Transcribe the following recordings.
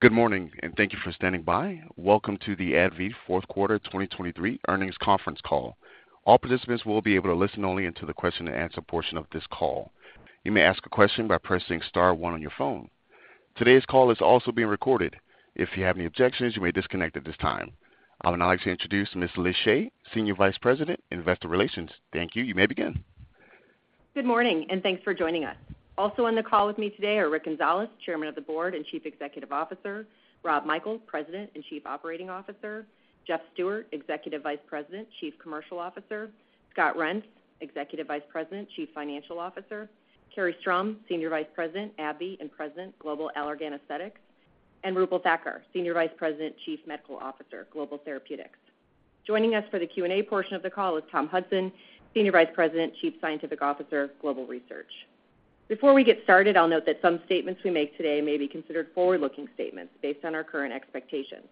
Good morning, and thank you for standing by. Welcome to the AbbVie Fourth Quarter 2023 Earnings Conference Call. All participants will be able to listen only into the question-and-answer portion of this call. You may ask a question by pressing star one on your phone. Today's call is also being recorded. If you have any objections, you may disconnect at this time. I would now like to introduce Ms. Liz Shea, Senior Vice President, Investor Relations. Thank you. You may begin. Good morning, and thanks for joining us. Also on the call with me today are Rick Gonzalez, Chairman of the Board and Chief Executive Officer, Rob Michael, President and Chief Operating Officer, Jeff Stewart, Executive Vice President, Chief Commercial Officer, Scott Reents, Executive Vice President, Chief Financial Officer, Carrie Strom, Senior Vice President, AbbVie, and President, Global Allergan Aesthetics, and Roopal Thakkar, Senior Vice President, Chief Medical Officer, Global Therapeutics. Joining us for the Q&A portion of the call is Tom Hudson, Senior Vice President, Chief Scientific Officer, Global Research. Before we get started, I'll note that some statements we make today may be considered forward-looking statements based on our current expectations.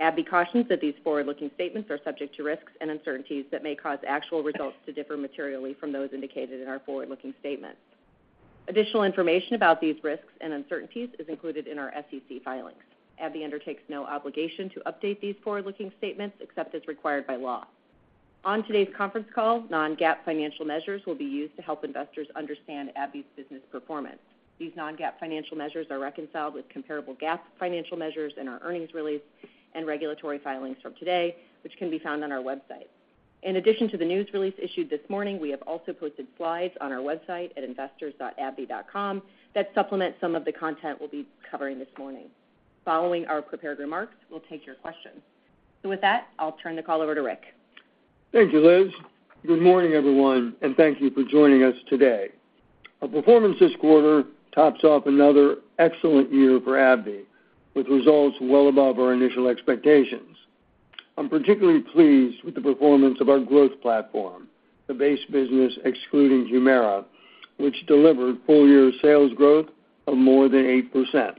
AbbVie cautions that these forward-looking statements are subject to risks and uncertainties that may cause actual results to differ materially from those indicated in our forward-looking statements. Additional information about these risks and uncertainties is included in our SEC filings. AbbVie undertakes no obligation to update these forward-looking statements except as required by law. On today's conference call, non-GAAP financial measures will be used to help investors understand AbbVie's business performance. These non-GAAP financial measures are reconciled with comparable GAAP financial measures in our earnings release and regulatory filings from today, which can be found on our website. In addition to the news release issued this morning, we have also posted slides on our website at investors.abbvie.com that supplement some of the content we'll be covering this morning. Following our prepared remarks, we'll take your questions. With that, I'll turn the call over to Rick. Thank you, Liz. Good morning, everyone, and thank you for joining us today. Our performance this quarter tops off another excellent year for AbbVie, with results well above our initial expectations. I'm particularly pleased with the performance of our growth platform, the base business excluding Humira, which delivered full-year sales growth of more than 8%,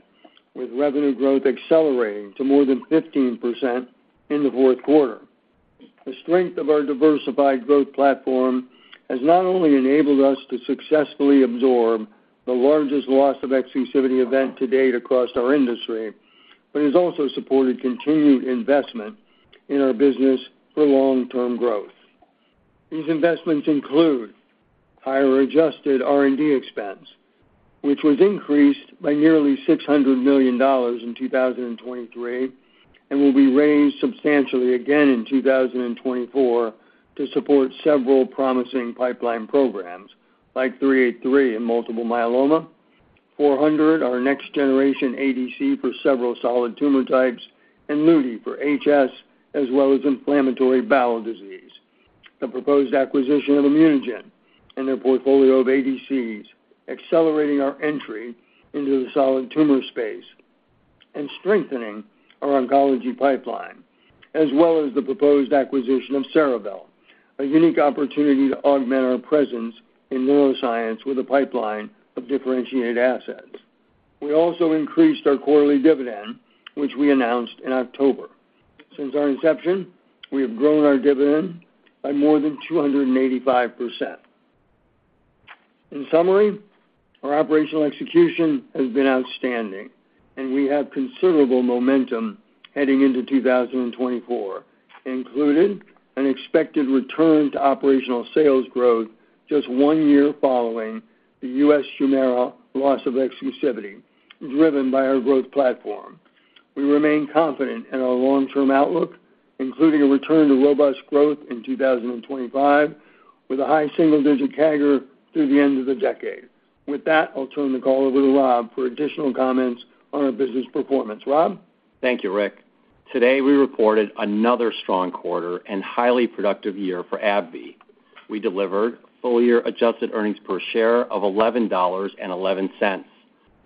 with revenue growth accelerating to more than 15% in the fourth quarter. The strength of our diversified growth platform has not only enabled us to successfully absorb the largest loss of exclusivity event to date across our industry, but has also supported continued investment in our business for long-term growth. These investments include higher adjusted R&D expense, which was increased by nearly $600 million in 2023 and will be raised substantially again in 2024 to support several promising pipeline programs like 383 in multiple myeloma, 400, our next-generation ADC for several solid tumor types, and Luti for HS, as well as inflammatory bowel disease. The proposed acquisition of ImmunoGen and their portfolio of ADCs, accelerating our entry into the solid tumor space and strengthening our oncology pipeline, as well as the proposed acquisition of Cerevel, a unique opportunity to augment our presence in neuroscience with a pipeline of differentiated assets. We also increased our quarterly dividend, which we announced in October. Since our inception, we have grown our dividend by more than 285%. In summary, our operational execution has been outstanding, and we have considerable momentum heading into 2024, including an expected return to operational sales growth just one year following the U.S. Humira loss of exclusivity, driven by our growth platform. We remain confident in our long-term outlook, including a return to robust growth in 2025, with a high single-digit CAGR through the end of the decade. With that, I'll turn the call over to Rob for additional comments on our business performance. Rob? Thank you, Rick. Today, we reported another strong quarter and highly productive year for AbbVie. We delivered full-year adjusted earnings per share of $11.11,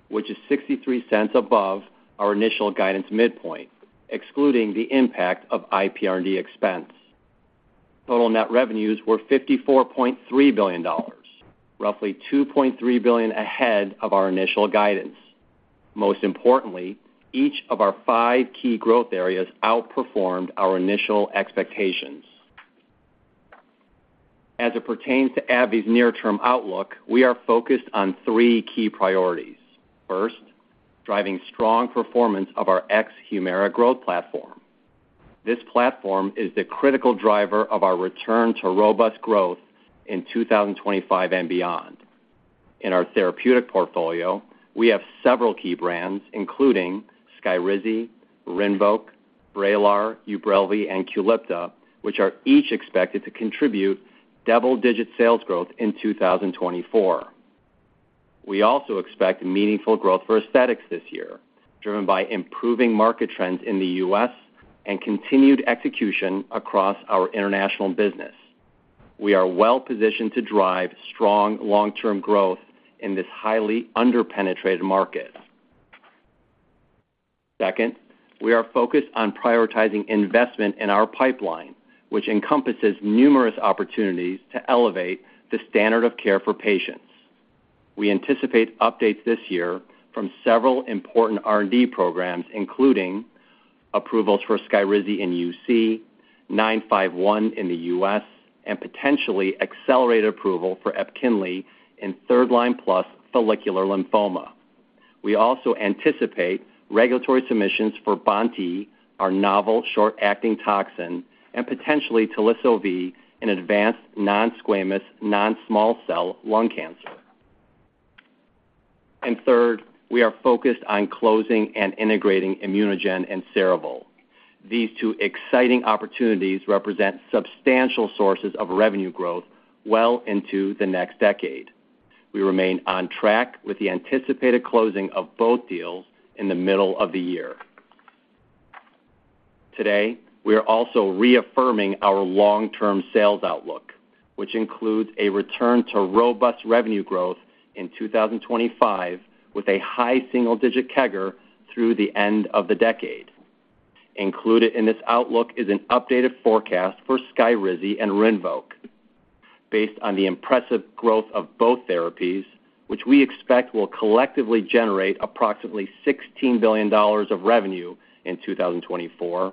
which is $0.63 above our initial guidance midpoint, excluding the impact of IPR&D expense. Total net revenues were $54.3 billion, roughly $2.3 billion ahead of our initial guidance. Most importantly, each of our five key growth areas outperformed our initial expectations. As it pertains to AbbVie's near-term outlook, we are focused on three key priorities. First, driving strong performance of our ex Humira growth platform. This platform is the critical driver of our return to robust growth in 2025 and beyond. In our therapeutic portfolio, we have several key brands, including Skyrizi, Rinvoq, Vraylar, Ubrelvy, and Qulipta, which are each expected to contribute double-digit sales growth in 2024. We also expect meaningful growth for aesthetics this year, driven by improving market trends in the U.S. and continued execution across our international business. We are well-positioned to drive strong long-term growth in this highly under-penetrated market. Second, we are focused on prioritizing investment in our pipeline, which encompasses numerous opportunities to elevate the standard of care for patients. We anticipate updates this year from several important R&D programs, including approvals for Skyrizi in UC, ABBV-951 in the U.S., and potentially accelerated approval for Epkinly in third-line plus follicular lymphoma. We also anticipate regulatory submissions for BoNT/E, our novel short-acting toxin, and potentially Teliso-V in advanced non-squamous, non-small cell lung cancer. And third, we are focused on closing and integrating ImmunoGen and Cerevel. These two exciting opportunities represent substantial sources of revenue growth well into the next decade. We remain on track with the anticipated closing of both deals in the middle of the year. Today, we are also reaffirming our long-term sales outlook, which includes a return to robust revenue growth in 2025, with a high single-digit CAGR through the end of the decade. Included in this outlook is an updated forecast for Skyrizi and Rinvoq, based on the impressive growth of both therapies, which we expect will collectively generate approximately $16 billion of revenue in 2024.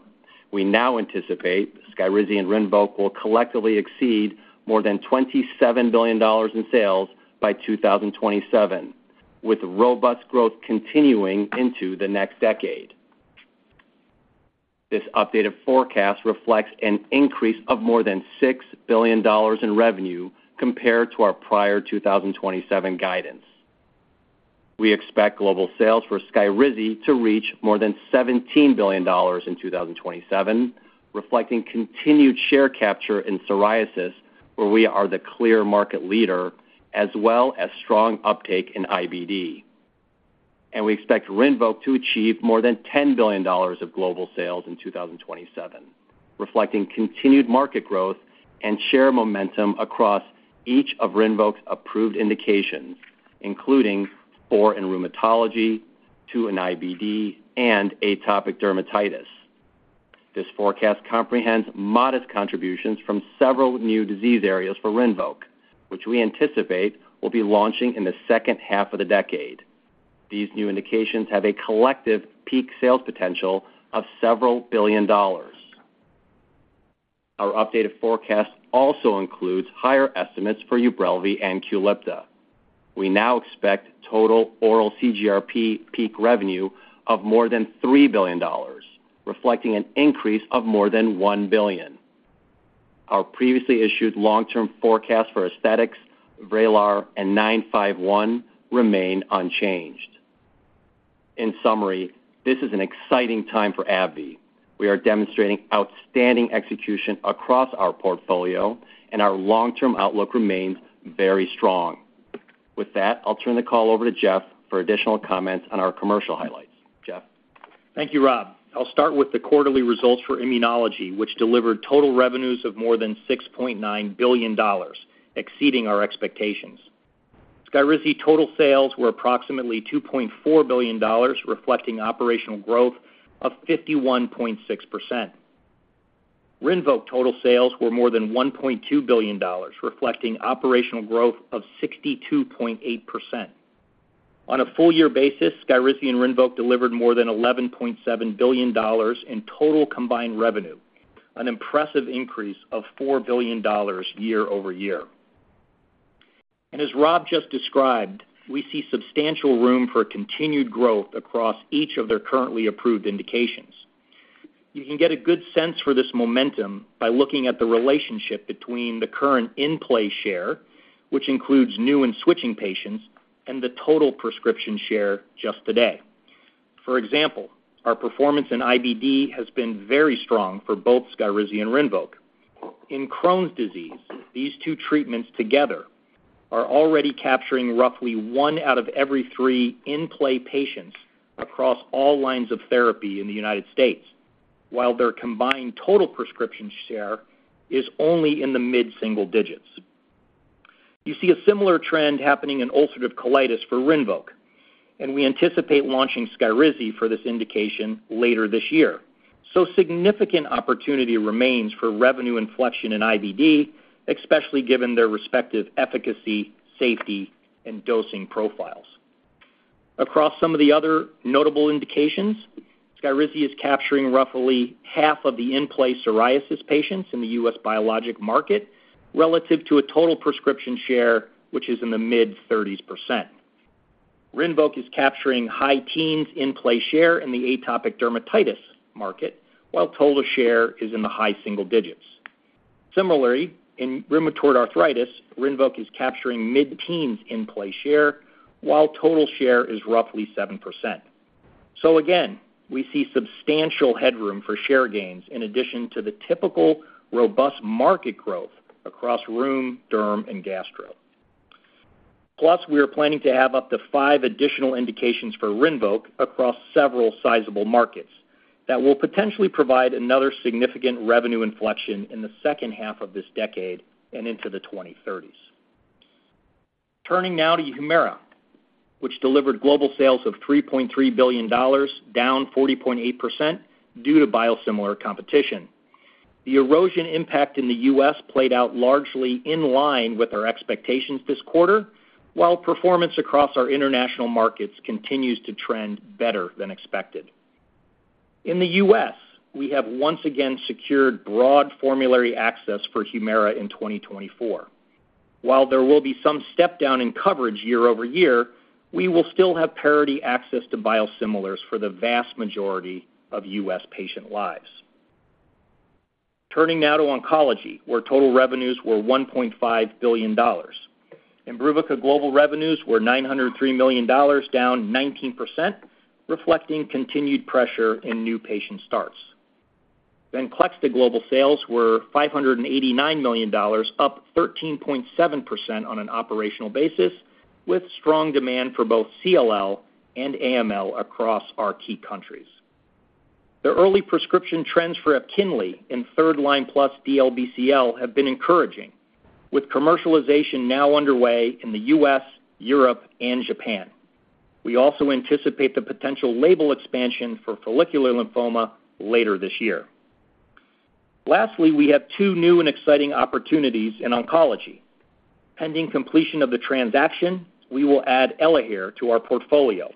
We now anticipate Skyrizi and Rinvoq will collectively exceed more than $27 billion in sales by 2027, with robust growth continuing into the next decade. This updated forecast reflects an increase of more than $6 billion in revenue compared to our prior 2027 guidance. We expect global sales for Skyrizi to reach more than $17 billion in 2027, reflecting continued share capture in psoriasis, where we are the clear market leader, as well as strong uptake in IBD. We expect Rinvoq to achieve more than $10 billion of global sales in 2027, reflecting continued market growth and share momentum across each of Rinvoq's approved indications, including four in rheumatology, two in IBD, and atopic dermatitis. This forecast comprehends modest contributions from several new disease areas for Rinvoq, which we anticipate will be launching in the second half of the decade. These new indications have a collective peak sales potential of several billion dollars. Our updated forecast also includes higher estimates for Ubrelvy and Qulipta. We now expect total oral CGRP peak revenue of more than $3 billion, reflecting an increase of more than $1 billion. Our previously issued long-term forecast for aesthetics, Vraylar, and 951 remain unchanged. In summary, this is an exciting time for AbbVie. We are demonstrating outstanding execution across our portfolio, and our long-term outlook remains very strong. With that, I'll turn the call over to Jeff for additional comments on our commercial highlights. Jeff? Thank you, Rob. I'll start with the quarterly results for immunology, which delivered total revenues of more than $6.9 billion, exceeding our expectations. Skyrizi total sales were approximately $2.4 billion, reflecting operational growth of 51.6%. Rinvoq total sales were more than $1 billion, reflecting operational growth of 62.8%. On a full year basis, Skyrizi and Rinvoq delivered more than $11.7 billion in total combined revenue, an impressive increase of $4 billion year-over-year. And as Rob just described, we see substantial room for continued growth across each of their currently approved indications. You can get a good sense for this momentum by looking at the relationship between the current in-play share, which includes new and switching patients, and the total prescription share just today. For example, our performance in IBD has been very strong for both Skyrizi and Rinvoq. In Crohn's disease, these two treatments together are already capturing roughly one out of every three in-play patients across all lines of therapy in the United States, while their combined total prescription share is only in the mid-single digits. You see a similar trend happening in ulcerative colitis for Rinvoq, and we anticipate launching Skyrizi for this indication later this year. So significant opportunity remains for revenue inflection in IBD, especially given their respective efficacy, safety, and dosing profiles. Across some of the other notable indications, Skyrizi is capturing roughly half of the in-play psoriasis patients in the U.S. biologic market, relative to a total prescription share, which is in the mid-thirties percent. Rinvoq is capturing high teens in-play share in the atopic dermatitis market, while total share is in the high single digits. Similarly, in rheumatoid arthritis, Rinvoq is capturing mid-teens in-play share, while total share is roughly 7%. So again, we see substantial headroom for share gains in addition to the typical robust market growth across rheum, derm, and gastro. Plus, we are planning to have up to five additional indications for Rinvoq across several sizable markets that will potentially provide another significant revenue inflection in the second half of this decade and into the 2030s. Turning now to Humira, which delivered global sales of $3.3 billion, down 40.8% due to biosimilar competition. The erosion impact in the U.S. played out largely in line with our expectations this quarter, while performance across our international markets continues to trend better than expected. In the U.S., we have once again secured broad formulary access for Humira in 2024. While there will be some step down in coverage year-over-year, we will still have parity access to biosimilars for the vast majority of U.S. patient lives. Turning now to oncology, where total revenues were $1.5 billion. Imbruvica global revenues were $903 million, down 19%, reflecting continued pressure in new patient starts. Venclexta global sales were $589 million, up 13.7% on an operational basis, with strong demand for both CLL and AML across our key countries. The early prescription trends for Epkinly in third-line plus DLBCL have been encouraging, with commercialization now underway in the U.S., Europe, and Japan. We also anticipate the potential label expansion for follicular lymphoma later this year. Lastly, we have two new and exciting opportunities in oncology. Pending completion of the transaction, we will add Elahere to our portfolio.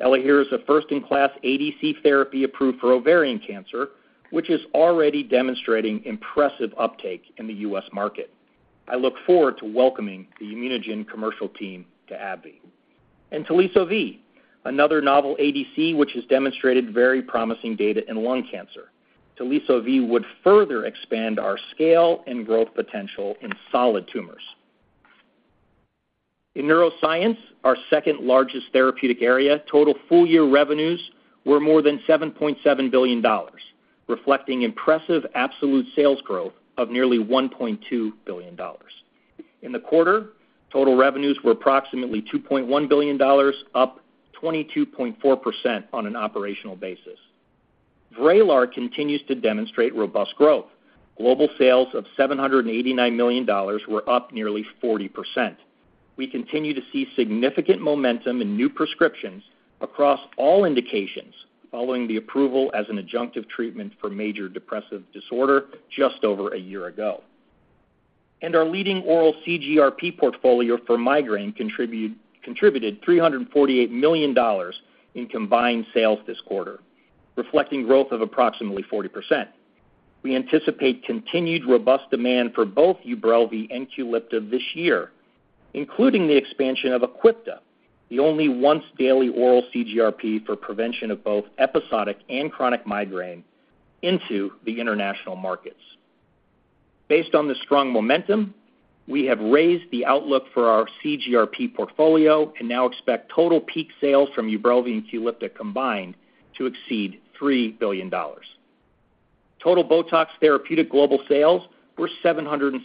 Elahere is a first-in-class ADC therapy approved for ovarian cancer, which is already demonstrating impressive uptake in the U.S. market. I look forward to welcoming the ImmunoGen commercial team to AbbVie. And Teliso-V, another novel ADC, which has demonstrated very promising data in lung cancer. Teliso-V would further expand our scale and growth potential in solid tumors. In neuroscience, our second-largest therapeutic area, total full-year revenues were more than $7.7 billion, reflecting impressive absolute sales growth of nearly $1.2 billion. In the quarter, total revenues were approximately $2.1 billion, up 22.4% on an operational basis. Vraylar continues to demonstrate robust growth. Global sales of $789 million were up nearly 40%. We continue to see significant momentum in new prescriptions across all indications following the approval as an adjunctive treatment for major depressive disorder just over a year ago. Our leading oral CGRP portfolio for migraine contributed $348 million in combined sales this quarter, reflecting growth of approximately 40%. We anticipate continued robust demand for both Ubrelvy and Qulipta this year, including the expansion of Aquipta, the only once-daily oral CGRP for prevention of both episodic and chronic migraine, into the international markets. Based on this strong momentum, we have raised the outlook for our CGRP portfolio and now expect total peak sales from Ubrelvy and Qulipta combined to exceed $3 billion. Total BOTOX Therapeutic global sales were $776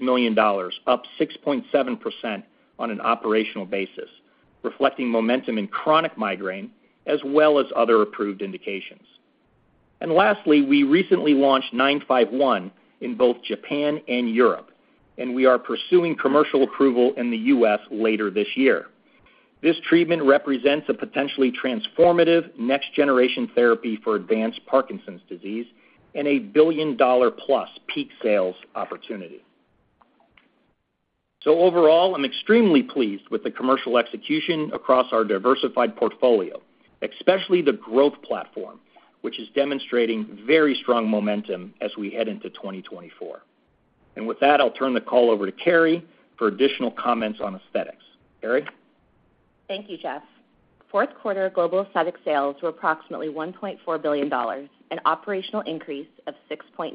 million, up 6.7% on an operational basis, reflecting momentum in chronic migraine as well as other approved indications. And lastly, we recently launched ABBV-951 in both Japan and Europe, and we are pursuing commercial approval in the U.S. later this year. This treatment represents a potentially transformative next-generation therapy for advanced Parkinson's disease and a billion-dollar-plus peak sales opportunity. So overall, I'm extremely pleased with the commercial execution across our diversified portfolio, especially the growth platform, which is demonstrating very strong momentum as we head into 2024. And with that, I'll turn the call over to Carrie for additional comments on aesthetics. Carrie? Thank you, Jeff. Fourth quarter global aesthetics sales were approximately $1.4 billion, an operational increase of 6.9%.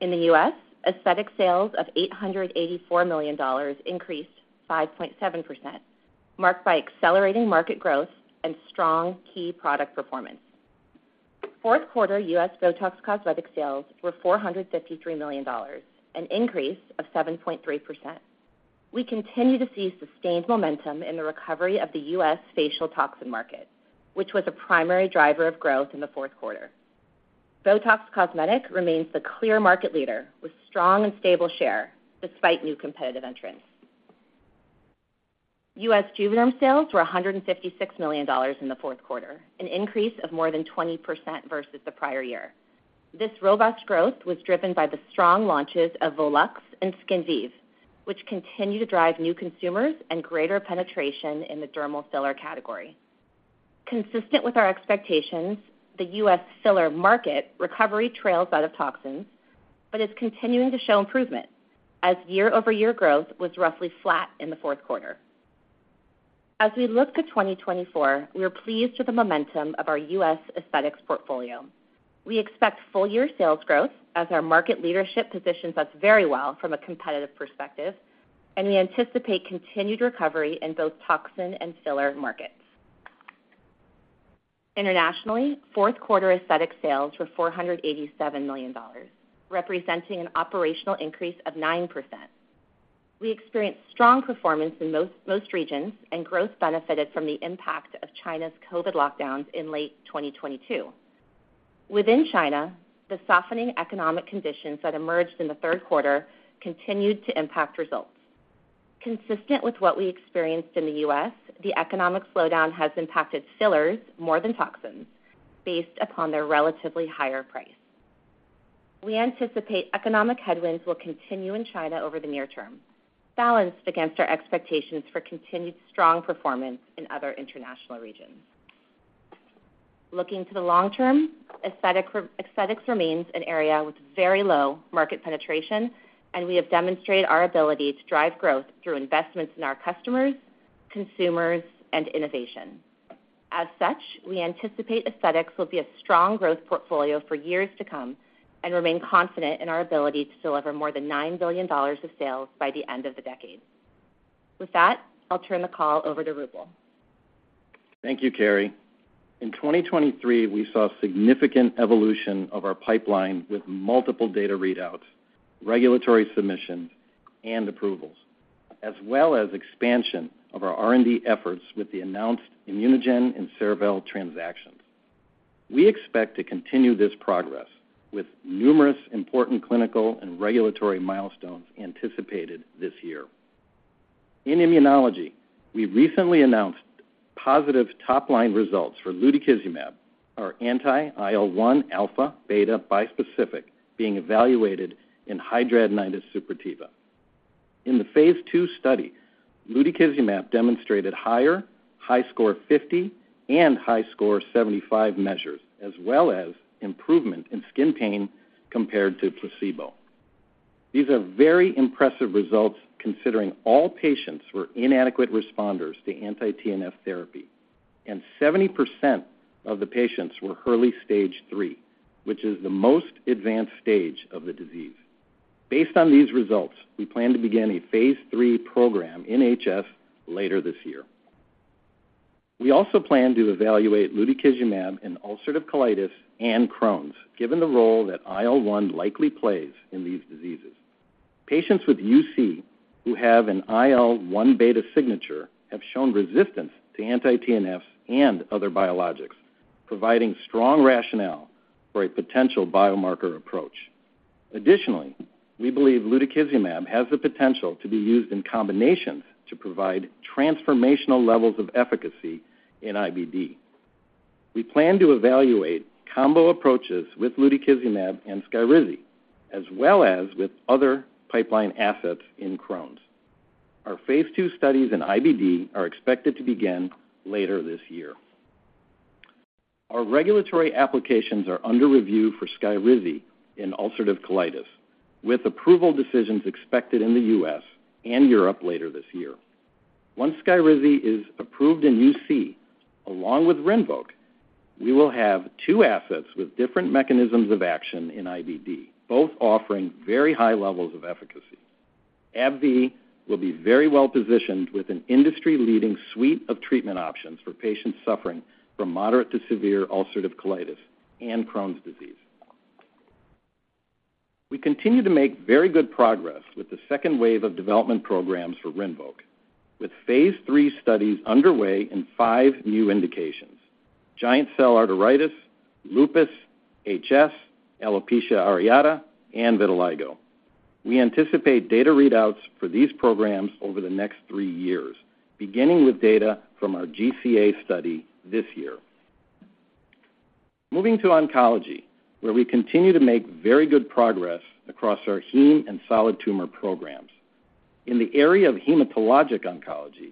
In the U.S., aesthetic sales of $884 million increased 5.7%, marked by accelerating market growth and strong key product performance. Fourth quarter U.S. BOTOX Cosmetic sales were $453 million, an increase of 7.3%. We continue to see sustained momentum in the recovery of the U.S. facial toxin market, which was a primary driver of growth in the fourth quarter. BOTOX Cosmetic remains the clear market leader, with strong and stable share despite new competitive entrants. U.S. Juvederm sales were $156 million in the fourth quarter, an increase of more than 20% versus the prior year. This robust growth was driven by the strong launches of Volux and Skinvive, which continue to drive new consumers and greater penetration in the dermal filler category. Consistent with our expectations, the U.S. filler market recovery trails out of toxins, but is continuing to show improvement, as year-over-year growth was roughly flat in the fourth quarter. As we look to 2024, we are pleased with the momentum of our U.S. aesthetics portfolio. We expect full year sales growth as our market leadership positions us very well from a competitive perspective, and we anticipate continued recovery in both toxin and filler markets. Internationally, fourth quarter aesthetic sales were $487 million, representing an operational increase of 9%. We experienced strong performance in most regions, and growth benefited from the impact of China's COVID lockdowns in late 2022. Within China, the softening economic conditions that emerged in the third quarter continued to impact results. Consistent with what we experienced in the U.S., the economic slowdown has impacted fillers more than toxins based upon their relatively higher price. We anticipate economic headwinds will continue in China over the near term, balanced against our expectations for continued strong performance in other international regions. Looking to the long term, aesthetics remains an area with very low market penetration, and we have demonstrated our ability to drive growth through investments in our customers, consumers, and innovation. As such, we anticipate aesthetics will be a strong growth portfolio for years to come and remain confident in our ability to deliver more than $9 billion of sales by the end of the decade. With that, I'll turn the call over to Roopal. Thank you, Carrie. In 2023, we saw significant evolution of our pipeline with multiple data readouts, regulatory submissions, and approvals, as well as expansion of our R&D efforts with the announced ImmunoGen and Cerevel transactions. We expect to continue this progress with numerous important clinical and regulatory milestones anticipated this year. In immunology, we recently announced positive top-line results for lutikizumab, our anti-IL-1 alpha/beta bispecific, being evaluated in hidradenitis suppurativa. In the phase II study, lutikizumab demonstrated higher HiSCR 50 and HiSCR 75 measures, as well as improvement in skin pain compared to placebo. These are very impressive results, considering all patients were inadequate responders to anti-TNF therapy, and 70% of the patients were Hurley Stage 3, which is the most advanced stage of the disease. Based on these results, we plan to begin a phase III program in HS later this year. We also plan to evaluate lutikizumab in ulcerative colitis and Crohn's, given the role that IL-1 likely plays in these diseases. Patients with UC who have an IL-1 beta signature have shown resistance to anti-TNFs and other biologics, providing strong rationale for a potential biomarker approach. Additionally, we believe lutikizumab has the potential to be used in combinations to provide transformational levels of efficacy in IBD. We plan to evaluate combo approaches with lutikizumab and Skyrizi, as well as with other pipeline assets in Crohn's. Our phase II studies in IBD are expected to begin later this year. Our regulatory applications are under review for Skyrizi in ulcerative colitis, with approval decisions expected in the U.S. and Europe later this year. Once Skyrizi is approved in UC, along with Rinvoq, we will have two assets with different mechanisms of action in IBD, both offering very high levels of efficacy. AbbVie will be very well-positioned with an industry-leading suite of treatment options for patients suffering from moderate to severe ulcerative colitis and Crohn's disease. We continue to make very good progress with the second wave of development programs for Rinvoq, with phase III studies underway in five new indications: giant cell arteritis, lupus, HS, alopecia areata, and vitiligo. We anticipate data readouts for these programs over the next three years, beginning with data from our GCA study this year. Moving to oncology, where we continue to make very good progress across our heme and solid tumor programs. In the area of hematologic oncology,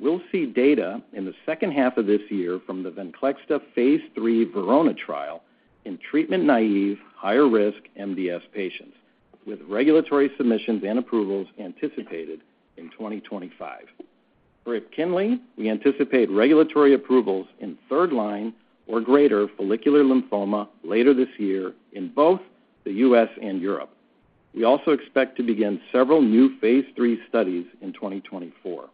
we'll see data in the second half of this year from the Venclexta phase III VERONA trial in treatment-naive, higher-risk MDS patients, with regulatory submissions and approvals anticipated in 2025. For Epkinly, we anticipate regulatory approvals in third-line or greater follicular lymphoma later this year in both the U.S. and Europe. We also expect to begin several new phase III studies in 2024,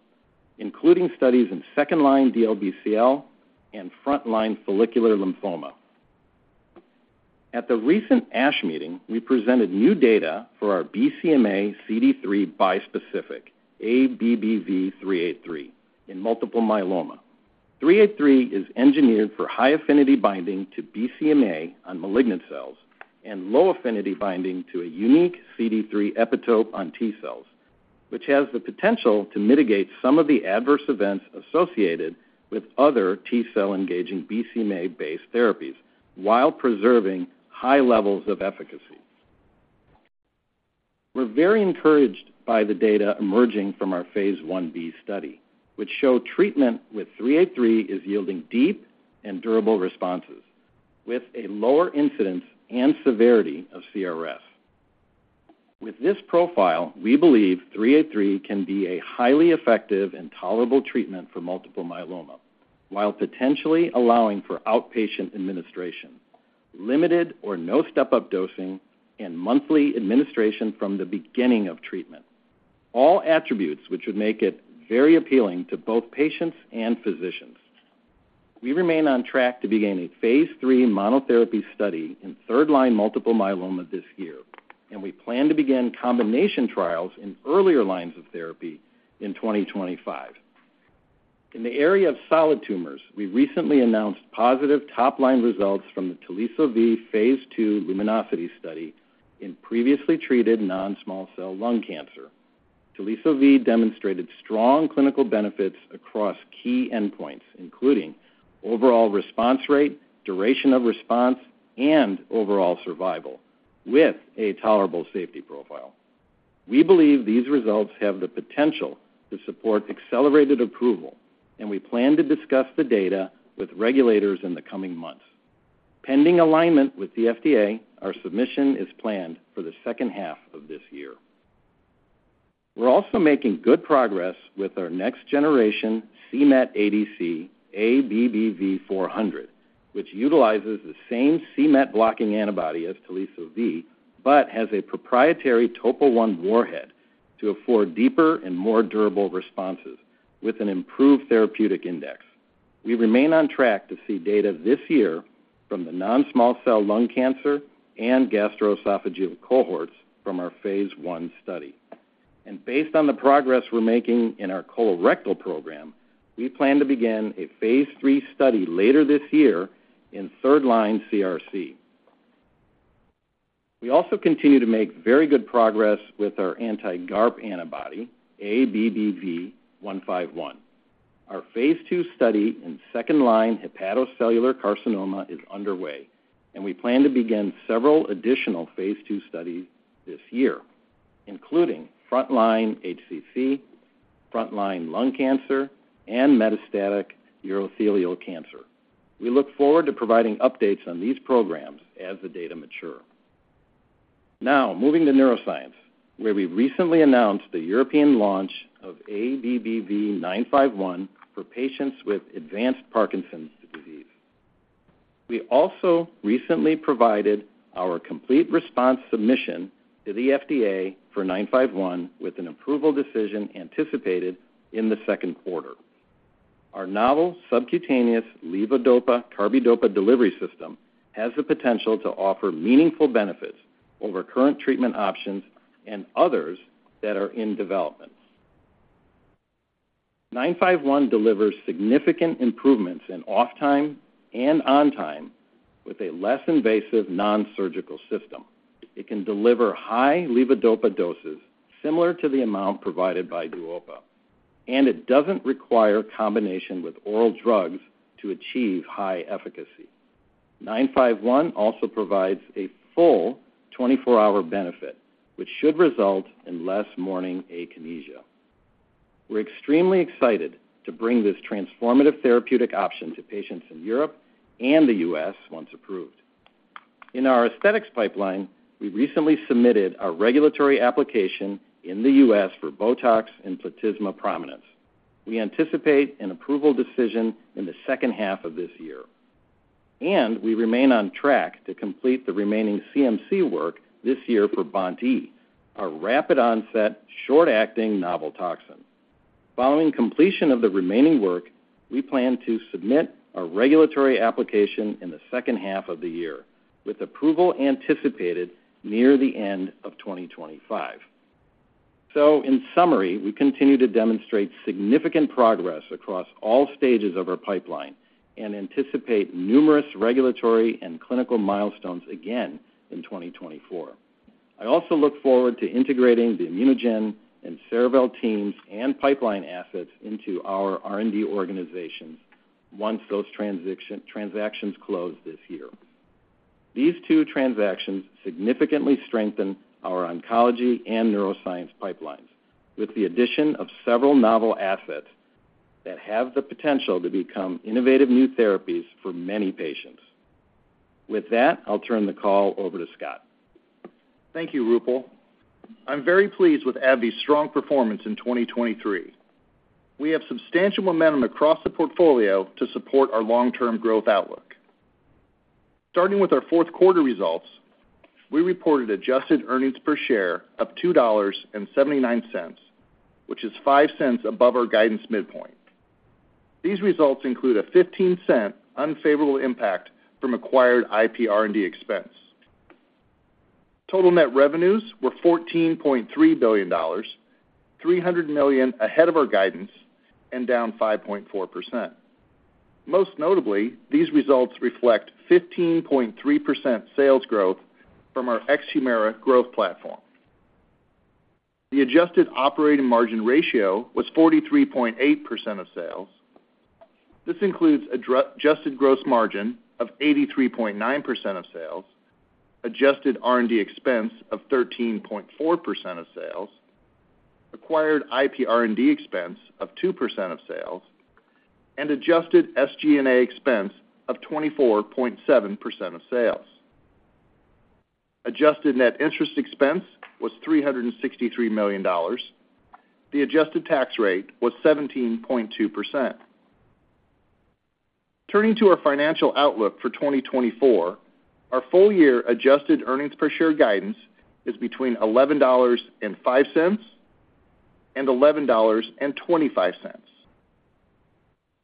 including studies in second-line DLBCL and front-line follicular lymphoma. At the recent ASH meeting, we presented new data for our BCMA CD3 bispecific, ABBV-383, in multiple myeloma. ABBV-383 is engineered for high-affinity binding to BCMA on malignant cells and low-affinity binding to a unique CD3 epitope on T cells, which has the potential to mitigate some of the adverse events associated with other T-cell-engaging BCMA-based therapies while preserving high levels of efficacy. We're very encouraged by the data emerging from our phase I-B study, which show treatment with ABBV-383 is yielding deep and durable responses, with a lower incidence and severity of CRS. With this profile, we believe ABBV-383 can be a highly effective and tolerable treatment for multiple myeloma, while potentially allowing for outpatient administration, limited or no step-up dosing, and monthly administration from the beginning of treatment, all attributes which would make it very appealing to both patients and physicians. We remain on track to begin a phase III monotherapy study in third-line multiple myeloma this year, and we plan to begin combination trials in earlier lines of therapy in 2025. In the area of solid tumors, we recently announced positive top-line results from the Teliso-V phase II LUMINOSITY study in previously treated non-small cell lung cancer. Teliso-V demonstrated strong clinical benefits across key endpoints, including overall response rate, duration of response, and overall survival, with a tolerable safety profile. We believe these results have the potential to support accelerated approval, and we plan to discuss the data with regulators in the coming months. Pending alignment with the FDA, our submission is planned for the second half of this year. We're also making good progress with our next generation c-Met ADC, ABBV-400, which utilizes the same c-Met blocking antibody as Teliso-V, but has a proprietary Topo I warhead to afford deeper and more durable responses with an improved therapeutic index. We remain on track to see data this year from the non-small cell lung cancer and gastroesophageal cohorts from our phase I study. And based on the progress we're making in our colorectal program, we plan to begin a phase III study later this year in third-line CRC. We also continue to make very good progress with our anti-GARP antibody, ABBV-151. Our phase II study in second-line hepatocellular carcinoma is underway, and we plan to begin several additional phase II studies this year, including frontline HCC, frontline lung cancer, and metastatic urothelial cancer. We look forward to providing updates on these programs as the data mature. Now, moving to neuroscience, where we recently announced the European launch of ABBV-951 for patients with advanced Parkinson's disease. We also recently provided our complete response submission to the FDA for ABBV-951, with an approval decision anticipated in the second quarter. Our novel subcutaneous levodopa carbidopa delivery system has the potential to offer meaningful benefits over current treatment options and others that are in development. ABBV-951 delivers significant improvements in off time and on time with a less invasive, nonsurgical system. It can deliver high levodopa doses similar to the amount provided by Duopa, and it doesn't require combination with oral drugs to achieve high efficacy. ABBV-951 also provides a full 24-hour benefit, which should result in less morning akinesia. We're extremely excited to bring this transformative therapeutic option to patients in Europe and the U.S. once approved. In our aesthetics pipeline, we recently submitted a regulatory application in the U.S. for BOTOX and platysma prominence. We anticipate an approval decision in the second half of this year, and we remain on track to complete the remaining CMC work this year for BoNT/E, a rapid onset, short-acting novel toxin. Following completion of the remaining work, we plan to submit a regulatory application in the second half of the year, with approval anticipated near the end of 2025. So in summary, we continue to demonstrate significant progress across all stages of our pipeline and anticipate numerous regulatory and clinical milestones again in 2024. I also look forward to integrating the ImmunoGen and Cerevel teams and pipeline assets into our R&D organization once those transactions close this year. These two transactions significantly strengthen our oncology and neuroscience pipelines, with the addition of several novel assets that have the potential to become innovative new therapies for many patients. With that, I'll turn the call over to Scott. Thank you, Roopal. I'm very pleased with AbbVie's strong performance in 2023. We have substantial momentum across the portfolio to support our long-term growth outlook. Starting with our fourth quarter results, we reported adjusted earnings per share of $2.79, which is $0.05 above our guidance midpoint. These results include a $0.15 unfavorable impact from acquired IPR&D expense. Total net revenues were $14.3 billion, $300 million ahead of our guidance and down 5.4%. Most notably, these results reflect 15.3% sales growth from our ex-Humira growth platform. The adjusted operating margin ratio was 43.8% of sales. This includes adjusted gross margin of 83.9% of sales, adjusted R&D expense of 13.4% of sales, acquired IPR&D expense of 2% of sales, and adjusted SG&A expense of 24.7% of sales. Adjusted net interest expense was $363 million. The adjusted tax rate was 17.2%. Turning to our financial outlook for 2024, our full year adjusted earnings per share guidance is between $11.05 and $11.25.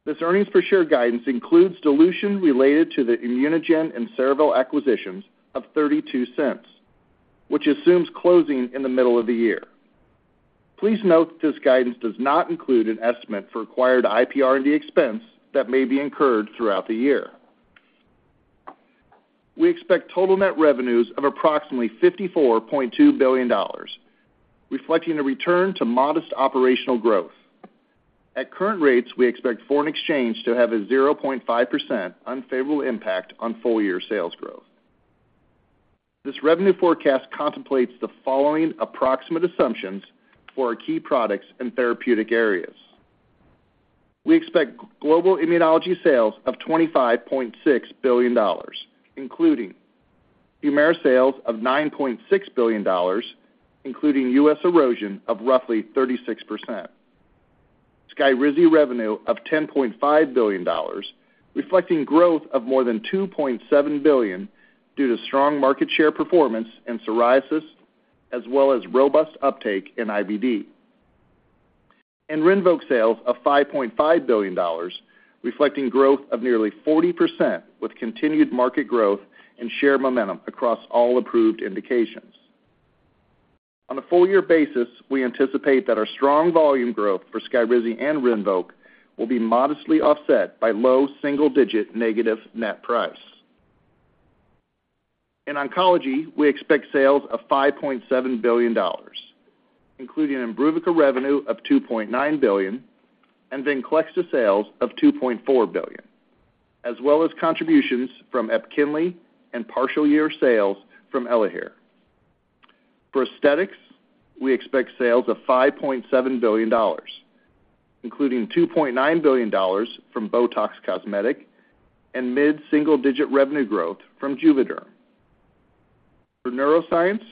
This earnings per share guidance includes dilution related to the ImmunoGen and Cerevel acquisitions of $0.32, which assumes closing in the middle of the year. Please note that this guidance does not include an estimate for acquired IPR&D expense that may be incurred throughout the year. We expect total net revenues of approximately $54.2 billion, reflecting a return to modest operational growth. At current rates, we expect foreign exchange to have a 0.5% unfavorable impact on full-year sales growth. This revenue forecast contemplates the following approximate assumptions for our key products and therapeutic areas. We expect global immunology sales of $25.6 billion, including Humira sales of $9.6 billion, including U.S. erosion of roughly 36%, Skyrizi revenue of $10.5 billion, reflecting growth of more than $2.7 billion due to strong market share performance in psoriasis, as well as robust uptake in IBD, and Rinvoq sales of $5.5 billion, reflecting growth of nearly 40%, with continued market growth and share momentum across all approved indications. On a full year basis, we anticipate that our strong volume growth for Skyrizi and Rinvoq will be modestly offset by low single-digit negative net price. In oncology, we expect sales of $5.7 billion, including Imbruvica revenue of $2.9 billion and Venclexta sales of $2.4 billion, as well as contributions from Epkinly and partial year sales from Elahere. For aesthetics, we expect sales of $5.7 billion, including $2.9 billion from BOTOX Cosmetic and mid-single-digit revenue growth from Juvederm. For neuroscience,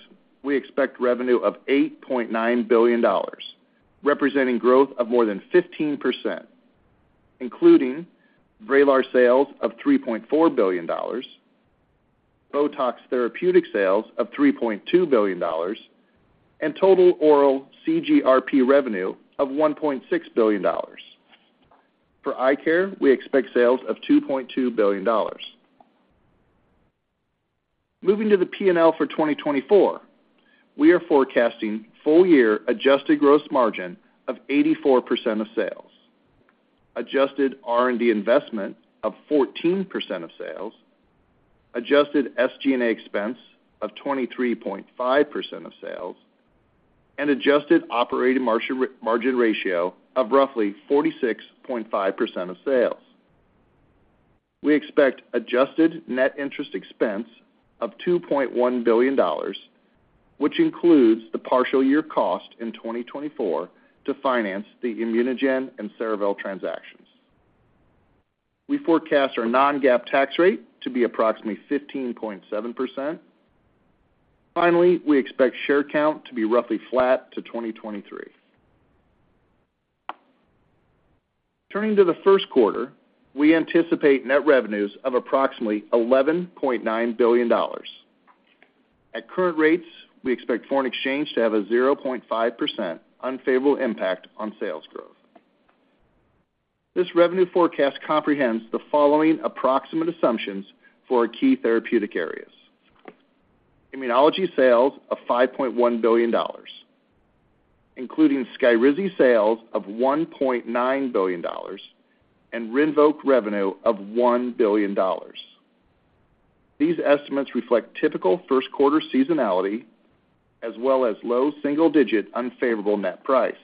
we expect revenue of $8.9 billion, representing growth of more than 15%, including Vraylar sales of $3.4 billion, BOTOX Therapeutic sales of $3.2 billion, and total oral CGRP revenue of $1.6 billion. For eye care, we expect sales of $2.2 billion. Moving to the P&L for 2024, we are forecasting full-year adjusted gross margin of 84% of sales, adjusted R&D investment of 14% of sales, adjusted SG&A expense of 23.5% of sales, and adjusted operating margin, margin ratio of roughly 46.5% of sales. We expect adjusted net interest expense of $2.1 billion, which includes the partial year cost in 2024 to finance the ImmunoGen and Cerevel transactions. We forecast our non-GAAP tax rate to be approximately 15.7%. Finally, we expect share count to be roughly flat to 2023. Turning to the first quarter, we anticipate net revenues of approximately $11.9 billion. At current rates, we expect foreign exchange to have a 0.5% unfavorable impact on sales growth. This revenue forecast comprehends the following approximate assumptions for our key therapeutic areas. Immunology sales of $5.1 billion, including Skyrizi sales of $1.9 billion and Rinvoq revenue of $1 billion. These estimates reflect typical first quarter seasonality, as well as low single-digit unfavorable net price.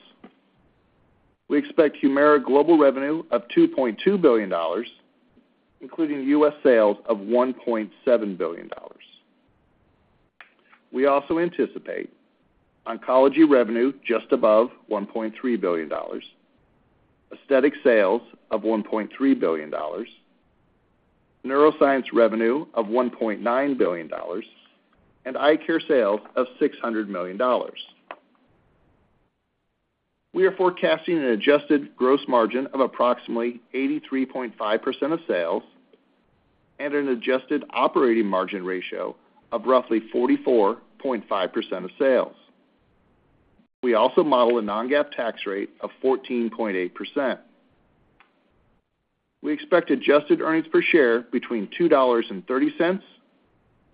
We expect Humira global revenue of $2.2 billion, including U.S. sales of $1.7 billion. We also anticipate oncology revenue just above $1.3 billion, aesthetic sales of $1.3 billion, neuroscience revenue of $1.9 billion, and eye care sales of $600 million. We are forecasting an adjusted gross margin of approximately 83.5% of sales and an adjusted operating margin ratio of roughly 44.5% of sales. We also model a non-GAAP tax rate of 14.8%. We expect adjusted earnings per share between $2.30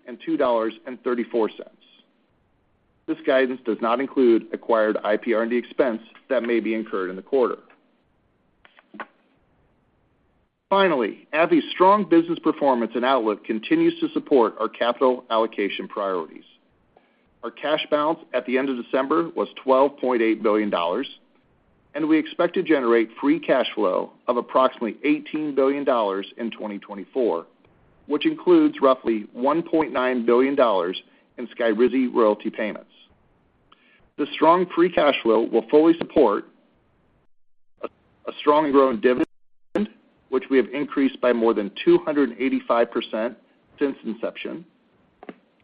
and $2.34. This guidance does not include acquired IPR&D expense that may be incurred in the quarter. Finally, AbbVie's strong business performance and outlook continues to support our capital allocation priorities. Our cash balance at the end of December was $12.8 billion, and we expect to generate free cash flow of approximately $18 billion in 2024, which includes roughly $1.9 billion in Skyrizi royalty payments. The strong free cash flow will fully support a strong growing dividend, which we have increased by more than 285% since inception,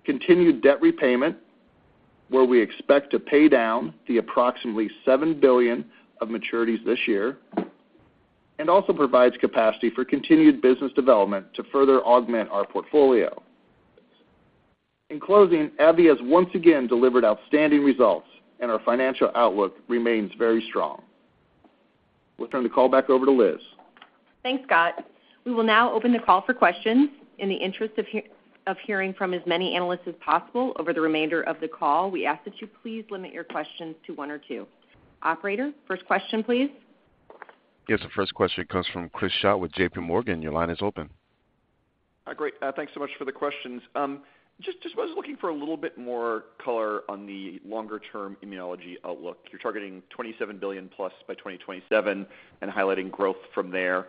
continued debt repayment, where we expect to pay down the approximately $7 billion of maturities this year, and also provides capacity for continued business development to further augment our portfolio. In closing, AbbVie has once again delivered outstanding results, and our financial outlook remains very strong. We'll turn the call back over to Liz. Thanks, Scott. We will now open the call for questions. In the interest of hearing from as many analysts as possible over the remainder of the call, we ask that you please limit your questions to one or two. Operator, first question, please. Yes, the first question comes from Chris Schott with JPMorgan. Your line is open. Hi, great. Thanks so much for the questions. Just, just was looking for a little bit more color on the longer-term immunology outlook. You're targeting $27 billion plus by 2027 and highlighting growth from there.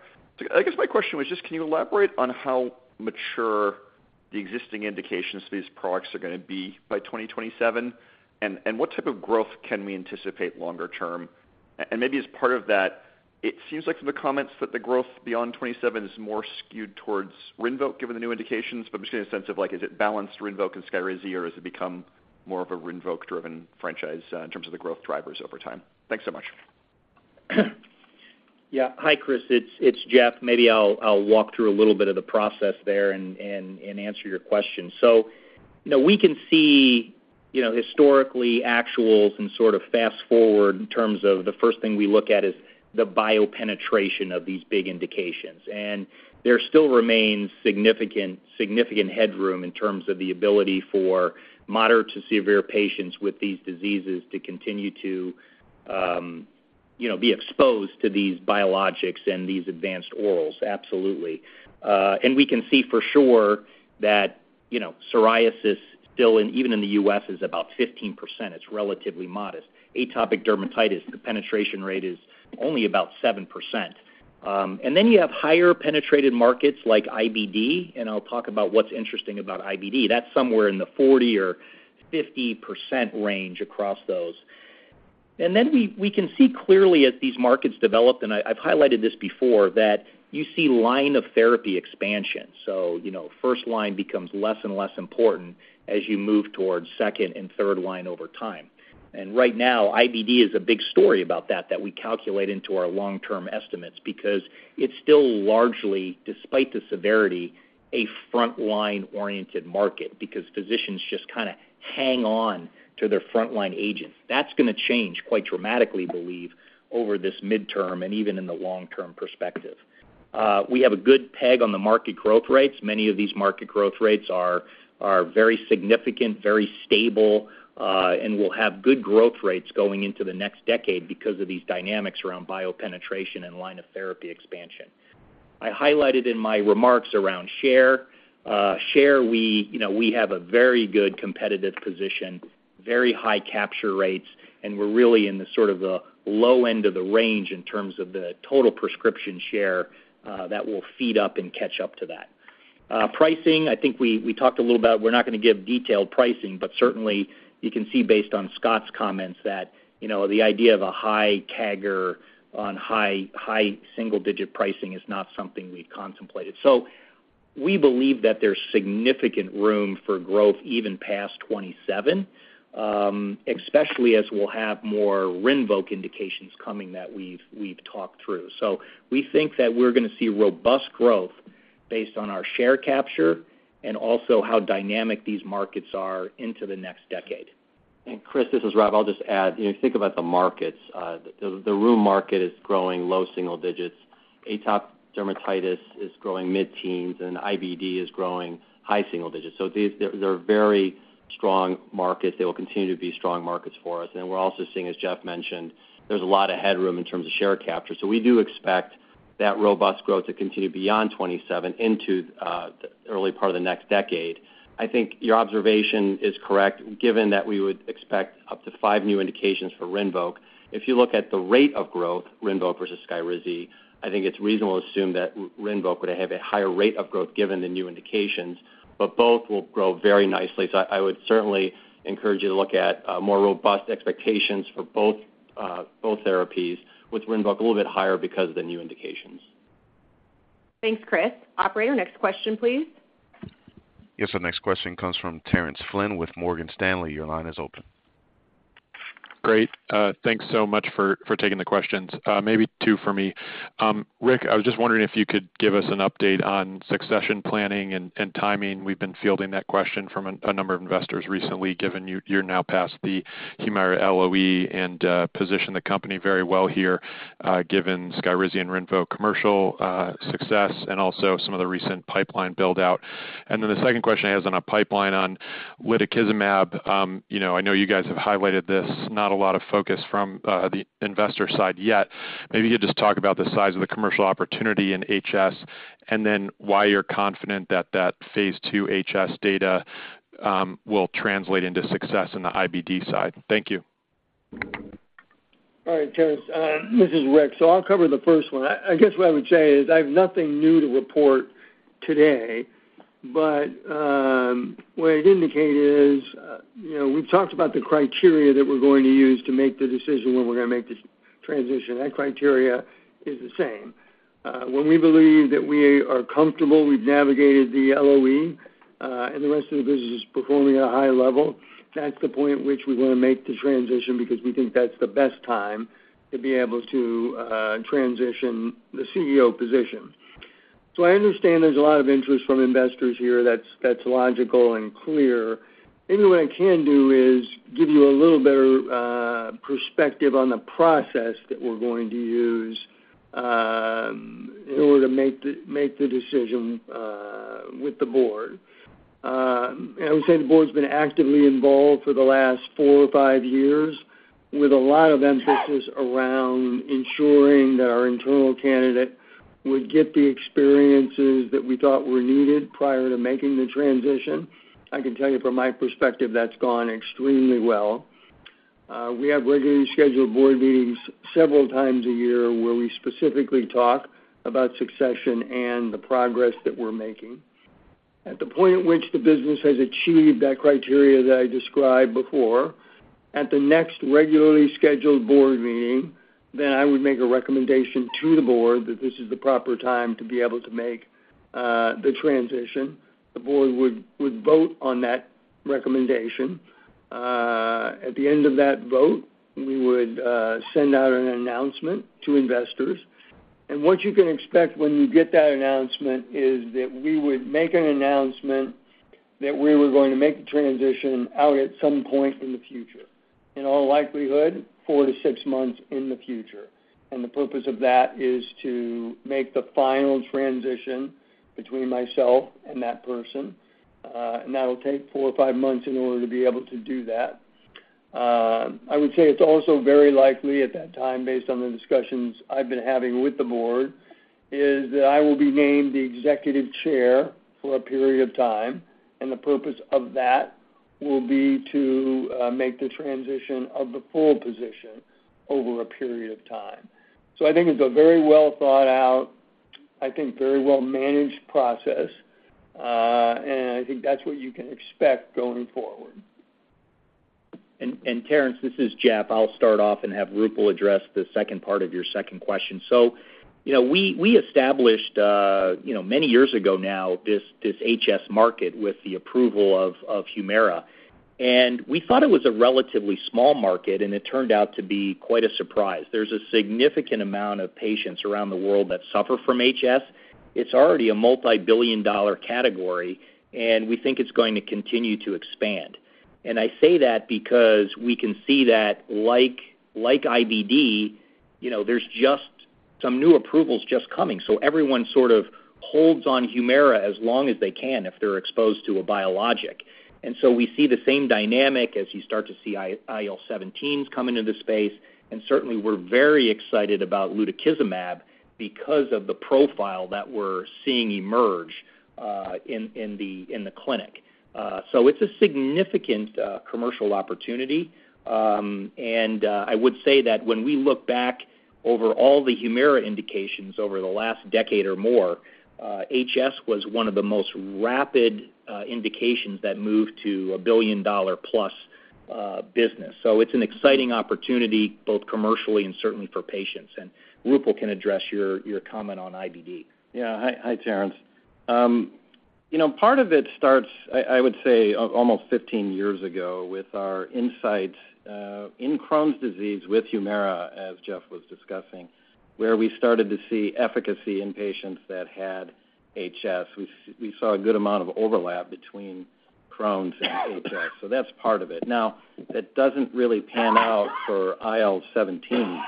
I guess my question was just, can you elaborate on how mature the existing indications for these products are gonna be by 2027? And, and what type of growth can we anticipate longer term? And maybe as part of that, it seems like from the comments that the growth beyond 2027 is more skewed towards Rinvoq, given the new indications, but just getting a sense of like, is it balanced Rinvoq and Skyrizi, or has it become more of a Rinvoq-driven franchise, in terms of the growth drivers over time? Thanks so much. Yeah. Hi, Chris, it's Jeff. Maybe I'll walk through a little bit of the process there and answer your question. You know, we can see, you know, historically, actuals and sort of fast forward in terms of the first thing we look at is the bio-penetration of these big indications. And there still remains significant, significant headroom in terms of the ability for moderate to severe patients with these diseases to continue to, you know, be exposed to these biologics and these advanced orals. Absolutely. And we can see for sure that, you know, psoriasis, still in, even in the U.S., is about 15%. It's relatively modest. Atopic dermatitis, the penetration rate is only about 7%. And then you have higher penetrated markets like IBD, and I'll talk about what's interesting about IBD. That's somewhere in the 40%-50% range across those. And then we can see clearly as these markets develop, and I've highlighted this before, that you see line of therapy expansion. So, you know, first line becomes less and less important as you move towards second and third line over time. And right now, IBD is a big story about that, that we calculate into our long-term estimates because it's still largely, despite the severity, a frontline-oriented market because physicians just kind of hang on to their frontline agents. That's gonna change quite dramatically, we believe, over this midterm and even in the long-term perspective. We have a good peg on the market growth rates. Many of these market growth rates are very significant, very stable, and will have good growth rates going into the next decade because of these dynamics around bio-penetration and line of therapy expansion. I highlighted in my remarks around share. Share, we, you know, we have a very good competitive position, very high capture rates, and we're really in the sort of the low end of the range in terms of the total prescription share, that will feed up and catch up to that. Pricing, I think we, we talked a little about, we're not gonna give detailed pricing, but certainly you can see based on Scott's comments, that, you know, the idea of a high CAGR on high single digit pricing is not something we've contemplated. So we believe that there's significant room for growth even past 2027, especially as we'll have more Rinvoq indications coming that we've talked through. So we think that we're gonna see robust growth based on our share capture and also how dynamic these markets are into the next decade. And Chris, this is Rob. I'll just add, you know, think about the markets. The rheum market is growing low single digits, atopic dermatitis is growing mid-teens, and IBD is growing high single digits. So these, they're very strong markets. They will continue to be strong markets for us. And we're also seeing, as Jeff mentioned, there's a lot of headroom in terms of share capture. So we do expect that robust growth to continue beyond 2027 into the early part of the next decade. I think your observation is correct, given that we would expect up to five new indications for Rinvoq. If you look at the rate of growth, Rinvoq versus Skyrizi, I think it's reasonable to assume that Rinvoq would have a higher rate of growth given the new indications, but both will grow very nicely. So I would certainly encourage you to look at more robust expectations for both therapies, with Rinvoq a little bit higher because of the new indications. Thanks, Chris. Operator, next question, please. Yes, our next question comes from Terence Flynn with Morgan Stanley. Your line is open. Great. Thanks so much for taking the questions. Maybe two for me. Rick, I was just wondering if you could give us an update on succession planning and timing. We've been fielding that question from a number of investors recently, given you're now past the Humira LOE and positioned the company very well here, given Skyrizi and Rinvoq commercial success, and also some of the recent pipeline build-out. And then the second question I has on our pipeline on lutikizumab. You know, I know you guys have highlighted this, not a lot of focus from the investor side yet. Maybe you could just talk about the size of the commercial opportunity in HS, and then why you're confident that that phase II HS data will translate into success in the IBD side. Thank you. All right, Terence, this is Rick, so I'll cover the first one. I guess what I would say is, I have nothing new to report today, but, what I'd indicate is, you know, we've talked about the criteria that we're going to use to make the decision when we're gonna make this transition. That criteria is the same. When we believe that we are comfortable, we've navigated the LOE, and the rest of the business is performing at a high level, that's the point at which we're gonna make the transition because we think that's the best time to be able to, transition the CEO position. So I understand there's a lot of interest from investors here that's, that's logical and clear. Maybe what I can do is give you a little better perspective on the process that we're going to use in order to make the decision with the board. I would say the board's been actively involved for the last four or five years, with a lot of emphasis around ensuring that our internal candidate would get the experiences that we thought were needed prior to making the transition. I can tell you from my perspective, that's gone extremely well. We have regularly scheduled board meetings several times a year, where we specifically talk about succession and the progress that we're making. At the point at which the business has achieved that criteria that I described before, at the next regularly scheduled board meeting, then I would make a recommendation to the board that this is the proper time to be able to make the transition. The board would vote on that recommendation. At the end of that vote, we would send out an announcement to investors. And what you can expect when you get that announcement is that we would make an announcement that we were going to make the transition out at some point in the future. In all likelihood, four to six months in the future. And the purpose of that is to make the final transition between myself and that person. And that'll take four or five months in order to be able to do that. I would say it's also very likely at that time, based on the discussions I've been having with the board, is that I will be named the Executive Chair for a period of time, and the purpose of that will be to make the transition of the full position over a period of time. So I think it's a very well thought out, I think, very well-managed process, and I think that's what you can expect going forward. Terence, this is Jeff. I'll start off and have Roopal address the second part of your second question. So you know, we established, you know, many years ago now, this HS market with the approval of Humira, and we thought it was a relatively small market, and it turned out to be quite a surprise. There's a significant amount of patients around the world that suffer from HS. It's already a multibillion-dollar category, and we think it's going to continue to expand. And I say that because we can see that like IBD, you know, there's just some new approvals just coming, so everyone sort of holds on Humira as long as they can if they're exposed to a biologic. And so we see the same dynamic as you start to see IL-17s come into the space. And certainly, we're very excited about lutikizumab because of the profile that we're seeing emerge in the clinic. So it's a significant commercial opportunity. And I would say that when we look back over all the Humira indications over the last decade or more, HS was one of the most rapid indications that moved to a billion-dollar plus business. So it's an exciting opportunity, both commercially and certainly for patients. And Roopal can address your comment on IBD. Yeah. Hi, Terence. You know, part of it starts, I would say, almost 15 years ago, with our insights in Crohn's disease with Humira, as Jeff was discussing, where we started to see efficacy in patients that had HS. We saw a good amount of overlap between Crohn's and HS, so that's part of it. Now, that doesn't really pan out for IL-17,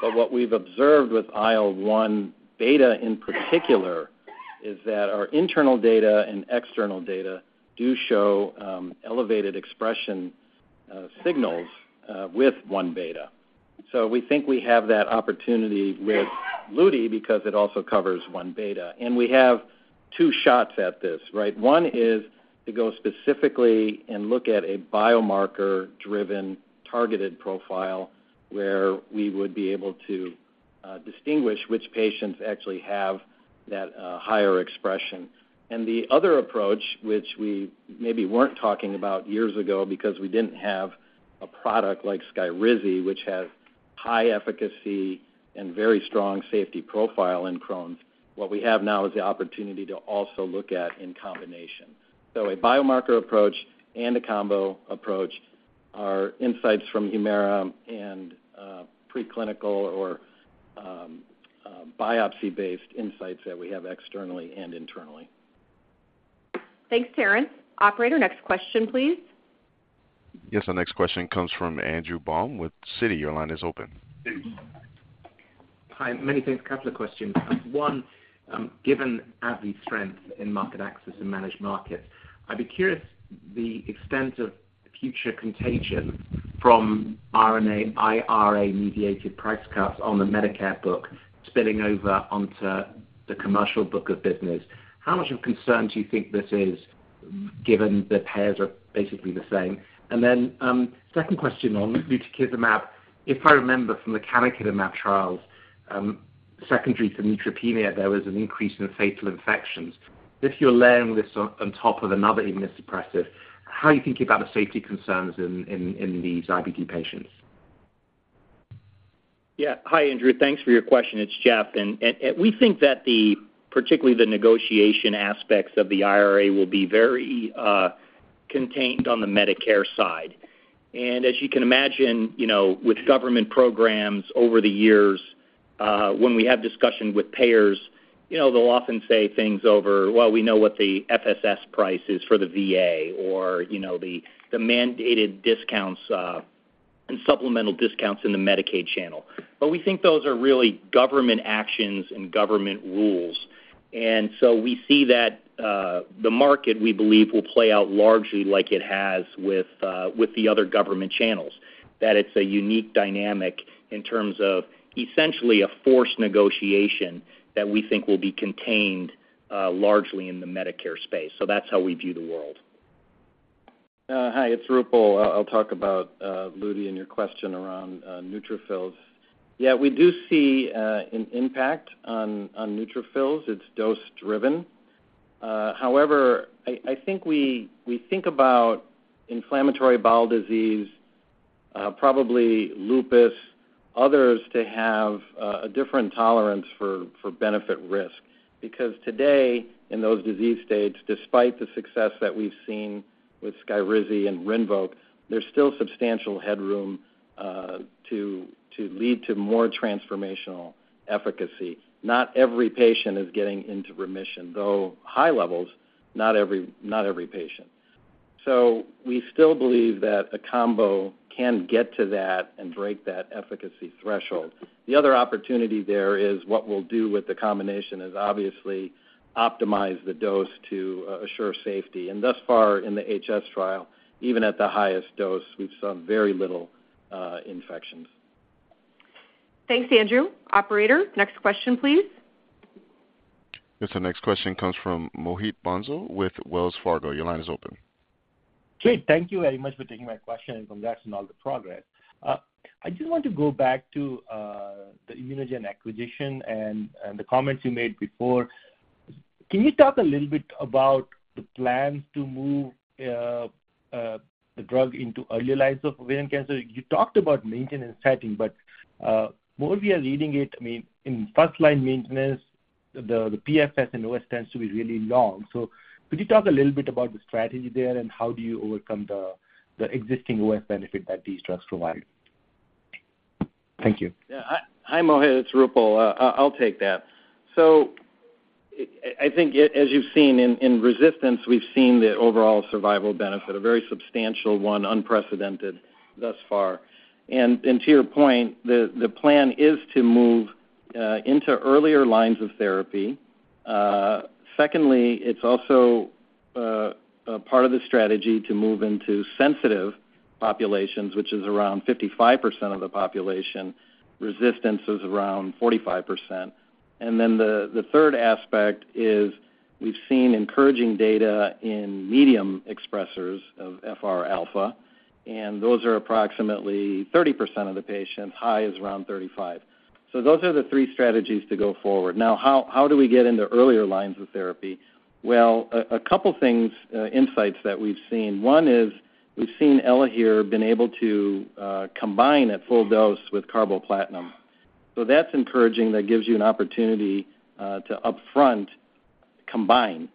but what we've observed with IL-1 beta in particular is that our internal data and external data do show elevated expression signals with IL-1 beta. So we think we have that opportunity with Luti because it also covers one beta. And we have two shots at this, right? One is to go specifically and look at a biomarker-driven, targeted profile, where we would be able to distinguish which patients actually have that higher expression. The other approach, which we maybe weren't talking about years ago because we didn't have a product like Skyrizi, which has high efficacy and very strong safety profile in Crohn's, what we have now is the opportunity to also look at in combination. A biomarker approach and a combo approach are insights from Humira and preclinical or biopsy-based insights that we have externally and internally. Thanks, Terence. Operator, next question, please. Yes, our next question comes from Andrew Baum with Citi. Your line is open. Hi, many thanks. A couple of questions. One, given AbbVie's strength in market access and managed markets, I'd be curious the extent of future contagion from IRA-mediated price cuts on the Medicare book, spilling over onto the commercial book of business. How much of a concern do you think this is, given the pairs are basically the same? And then, second question on lutikizumab. If I remember from the canakinumab trials, secondary to neutropenia, there was an increase in fatal infections. If you're layering this on top of another immunosuppressive, how are you thinking about the safety concerns in these IBD patients? Yeah. Hi, Andrew. Thanks for your question. It's Jeff. And we think that the, particularly the negotiation aspects of the IRA will be very contained on the Medicare side. And as you can imagine, you know, with government programs over the years, when we have discussion with payers, you know, they'll often say things over, "Well, we know what the FSS price is for the VA," or, you know, the mandated discounts and supplemental discounts in the Medicaid channel. But we think those are really government actions and government rules, and so we see that the market, we believe, will play out largely like it has with the other government channels, that it's a unique dynamic in terms of essentially a forced negotiation that we think will be contained largely in the Medicare space. So that's how we view the world. Hi, it's Roopal. I'll talk about lutikizumab and your question around neutrophils. Yeah, we do see an impact on neutrophils. It's dose-driven. However, I think we think about inflammatory bowel disease, probably lupus, others to have a different tolerance for benefit risk. Because today, in those disease states, despite the success that we've seen with Skyrizi and Rinvoq, there's still substantial headroom to lead to more transformational efficacy. Not every patient is getting into remission, though high levels, not every patient. So we still believe that a combo can get to that and break that efficacy threshold. The other opportunity there is what we'll do with the combination is obviously optimize the dose to assure safety. And thus far in the HS trial, even at the highest dose, we've saw very little infections. Thanks, Andrew. Operator, next question, please. Yes, the next question comes from Mohit Bansal with Wells Fargo. Your line is open. Great. Thank you very much for taking my question, and congrats on all the progress. I just want to go back to the ImmunoGen acquisition and the comments you made before. Can you talk a little bit about the plans to move the drug into earlier lines of ovarian cancer? You talked about maintenance setting, but what we are reading it, I mean, in first line maintenance, the PFS and OS tends to be really long. So could you talk a little bit about the strategy there, and how do you overcome the existing OS benefit that these drugs provide? Thank you. Yeah. Hi, Mohit, it's Roopal. I'll take that. So I, I think as you've seen in, in resistance, we've seen the overall survival benefit, a very substantial one, unprecedented thus far. And, and to your point, the, the plan is to move into earlier lines of therapy. Secondly, it's also a part of the strategy to move into sensitive populations, which is around 55% of the population. Resistance is around 45%. And then the, the third aspect is we've seen encouraging data in medium expressers of FR alpha, and those are approximately 30% of the patients. High is around 35%. So those are the three strategies to go forward. Now, how do we get into earlier lines of therapy? Well, a couple things, insights that we've seen. One is we've seen Elahere been able to, combine at full dose with carboplatin. So that's encouraging. That gives you an opportunity, to upfront combine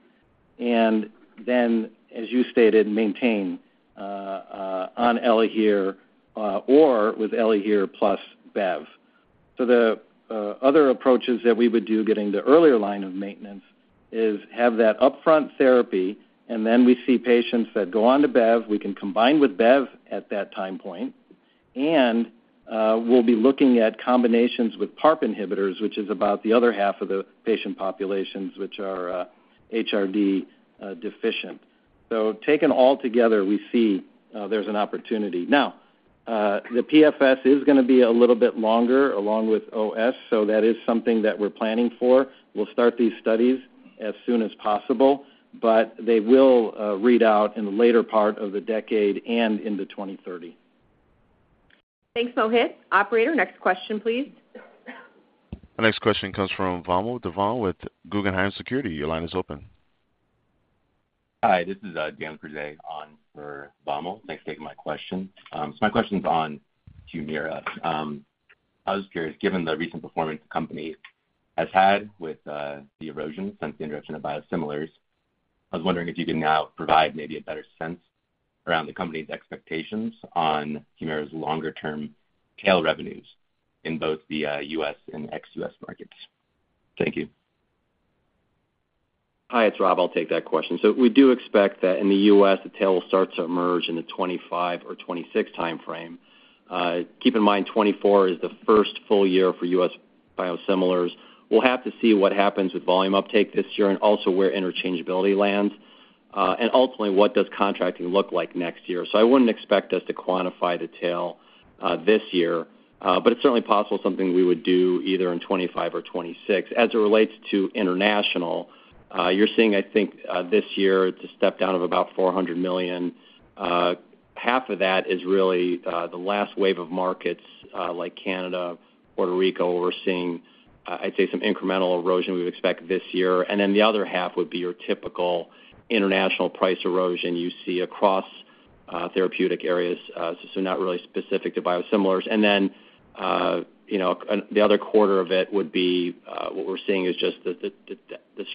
and then, as you stated, maintain, on Elahere, or with Elahere plus bevacizumab. So the, other approaches that we would do getting to earlier line of maintenance is have that upfront therapy, and then we see patients that go on to bevacizumab. We can combine with bevacizumab at that time point, and, we'll be looking at combinations with PARP inhibitors, which is about the other half of the patient populations, which are, HRD, deficient. So taken all together, we see, there's an opportunity. Now, the PFS is gonna be a little bit longer, along with OS, so that is something that we're planning for. We'll start these studies as soon as possible, but they will read out in the later part of the decade and into 2030. Thanks, Mohit. Operator, next question, please. The next question comes from Vamil Divan with Guggenheim Securities. Your line is open. Hi, this is Dan Cruz on for Vamil. Thanks for taking my question. So my question is on Humira. I was curious, given the recent performance the company has had with the erosion since the introduction of biosimilars, I was wondering if you can now provide maybe a better sense around the company's expectations on Humira's longer-term tail revenues in both the U.S. and ex-U.S. markets. Thank you. Hi, it's Rob. I'll take that question. So we do expect that in the U.S., the tail will start to emerge in the 2025 or 2026 timeframe. Keep in mind, 2024 is the first full year for U.S. biosimilars. We'll have to see what happens with volume uptake this year and also where interchangeability lands, and ultimately, what does contracting look like next year? So I wouldn't expect us to quantify the tail this year, but it's certainly possible, something we would do either in 2025 or 2026. As it relates to international, you're seeing, I think, this year, it's a step down of about $400 million. Half of that is really the last wave of markets, like Canada, Puerto Rico, we're seeing, I'd say, some incremental erosion we've expected this year. And then the other half would be your typical international price erosion you see across therapeutic areas, so not really specific to biosimilars. And then, you know, the other quarter of it would be what we're seeing is just the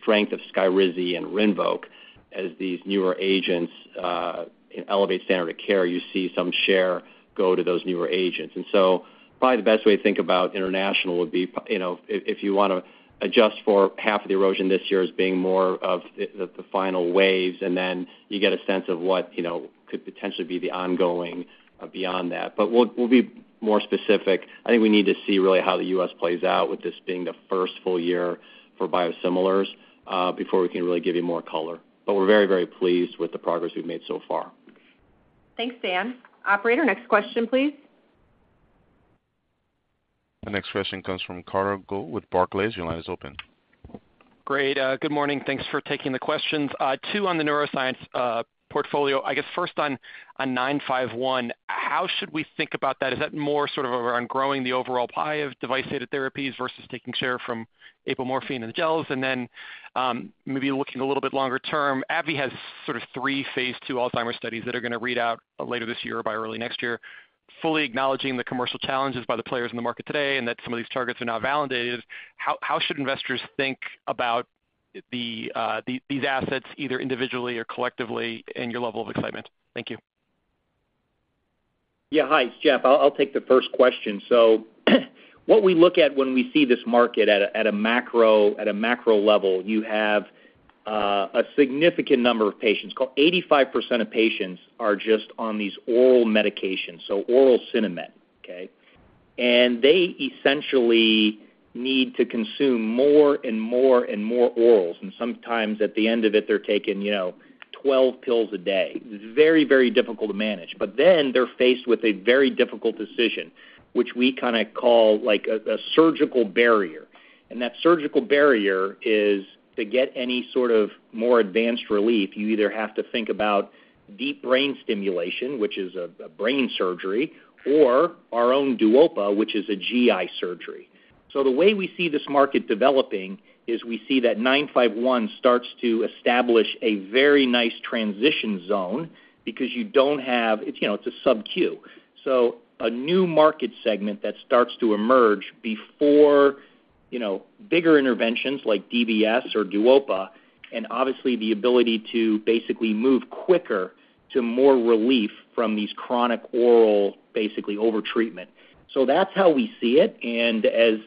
strength of Skyrizi and Rinvoq as these newer agents elevate standard of care, you see some share go to those newer agents. And so probably the best way to think about international would be, you know, if you want to adjust for half of the erosion this year as being more of the final waves, and then you get a sense of what could potentially be the ongoing beyond that. But we'll be more specific. I think we need to see really how the U.S. plays out with this being the first full year for biosimilars, before we can really give you more color. But we're very, very pleased with the progress we've made so far. Thanks, Dan. Operator, next question, please. The next question comes from Carter Gould with Barclays. Your line is open. Great. Good morning. Thanks for taking the questions. Two on the neuroscience portfolio. I guess first on ABBV-951, how should we think about that? Is that more sort of around growing the overall pie of device-aided therapies versus taking share from apomorphine and the gels? And then, maybe looking a little bit longer term, AbbVie has sort of three phase II Alzheimer's studies that are going to read out later this year or by early next year. Fully acknowledging the commercial challenges by the players in the market today, and that some of these targets are not validated, how should investors think about these assets, either individually or collectively, in your level of excitement? Thank you. Yeah. Hi, it's Jeff. I'll take the first question. So what we look at when we see this market at a macro level, you have a significant number of patients. Call it 85% of patients are just on these oral medications, so oral Sinemet, okay? And they essentially need to consume more and more and more orals, and sometimes at the end of it, they're taking, you know, 12 pills a day. It's very, very difficult to manage. But then they're faced with a very difficult decision, which we kind of call, like, a surgical barrier. And that surgical barrier is to get any sort of more advanced relief, you either have to think about deep brain stimulation, which is a brain surgery, or our own Duopa, which is a GI surgery. So the way we see this market developing is we see that 951 starts to establish a very nice transition zone because you don't have... It's, you know, it's a SubQ. So a new market segment that starts to emerge before, you know, bigger interventions like DBS or Duopa, and obviously, the ability to basically move quicker to more relief from these chronic oral, basically, over-treatment. So that's how we see it, and as,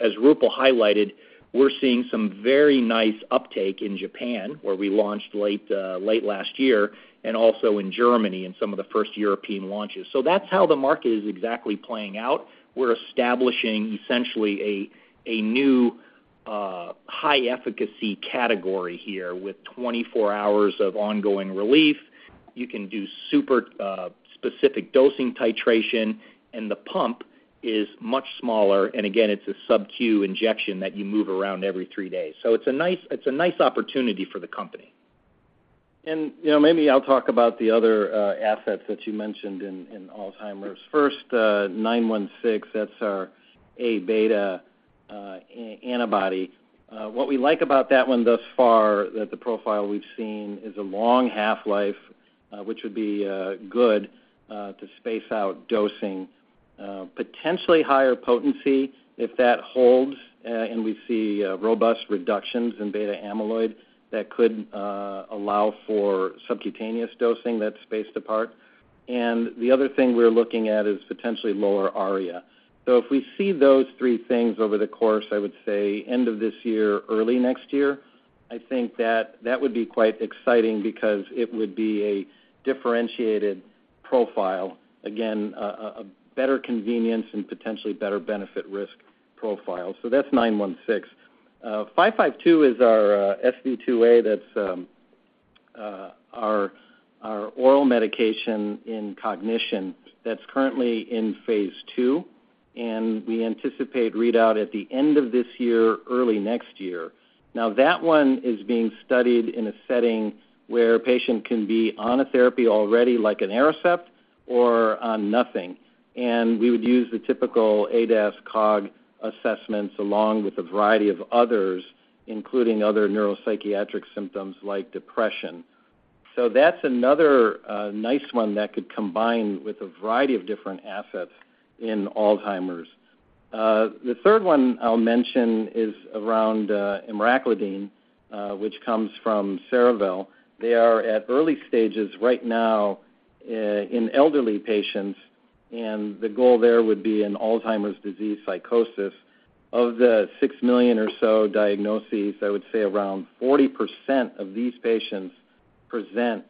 as Roopal highlighted, we're seeing some very nice uptake in Japan, where we launched late, late last year, and also in Germany, in some of the first European launches. So that's how the market is exactly playing out. We're establishing essentially a, a new, high efficacy category here with 24 hours of ongoing relief. You can do super, specific dosing titration, and the pump is much smaller, and again, it's a SubQ injection that you move around every three days. So it's a nice, it's a nice opportunity for the company. You know, maybe I'll talk about the other assets that you mentioned in Alzheimer's. First, ABBV-916, that's our A-beta antibody. What we like about that one thus far, that the profile we've seen, is a long half-life, which would be good to space out dosing. Potentially higher potency if that holds, and we see robust reductions in beta amyloid that could allow for subcutaneous dosing that's spaced apart. And the other thing we're looking at is potentially lower ARIA. So if we see those three things over the course, I would say end of this year, early next year, I think that that would be quite exciting because it would be a differentiated profile. Again, a better convenience and potentially better benefit-risk profile. So that's ABBV-916. ABBV-552 is our SV2A. That's our oral medication in cognition that's currently in phase II, and we anticipate readout at the end of this year, early next year. Now, that one is being studied in a setting where a patient can be on a therapy already, like an Aricept or on nothing, and we would use the typical ADAS-Cog assessments, along with a variety of others, including other neuropsychiatric symptoms like depression. So that's another nice one that could combine with a variety of different assets in Alzheimer's. The third one I'll mention is around emraclidine, which comes from Cerevel. They are at early stages right now in elderly patients, and the goal there would be an Alzheimer's disease psychosis. Of the six million or so diagnoses, I would say around 40% of these patients present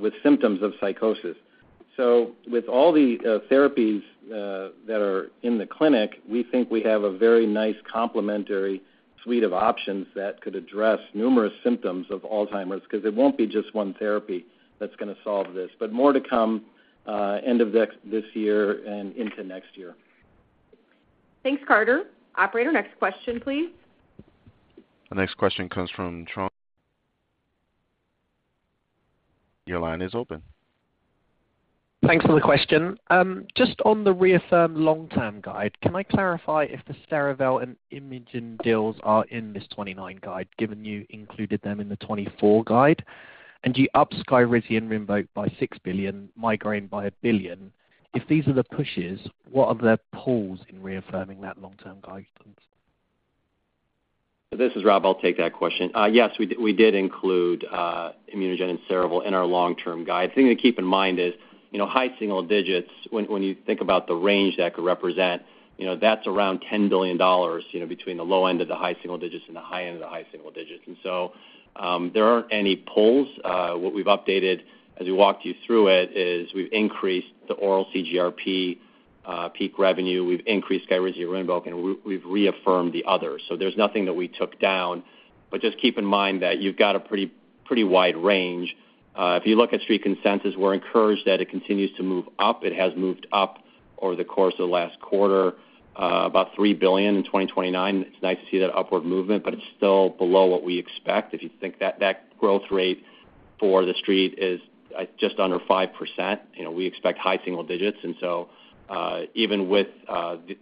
with symptoms of psychosis. So with all the therapies that are in the clinic, we think we have a very nice complementary suite of options that could address numerous symptoms of Alzheimer's, 'cause it won't be just one therapy that's going to solve this. But more to come end of this year and into next year. Thanks, Carter. Operator, next question, please. The next question comes from Trung Huynh. Your line is open. Thanks for the question. Just on the reaffirmed long-term guide, can I clarify if the Cerevel and ImmunoGen deals are in this 2029 guide, given you included them in the 2024 guide? And you upped Skyrizi and Rinvoq by $6 billion, migraine by $1 billion. If these are the pushes, what are the pulls in reaffirming that long-term guidance? This is Rob. I'll take that question. Yes, we did, we did include ImmunoGen and Cerevel in our long-term guide. The thing to keep in mind is, you know, high single digits, when you think about the range that could represent, you know, that's around $10 billion, you know, between the low end of the high single digits and the high end of the high single digits. And so, there aren't any pulls. What we've updated as we walked you through it is we've increased the oral CGRP peak revenue, we've increased Skyrizi and Rinvoq, and we've reaffirmed the others. So there's nothing that we took down. But just keep in mind that you've got a pretty wide range. If you look at Street consensus, we're encouraged that it continues to move up. It has moved up over the course of the last quarter, about $3 billion in 2029. It's nice to see that upward movement, but it's still below what we expect. If you think that that growth rate for the Street is, just under 5%, you know, we expect high single digits. And so, even with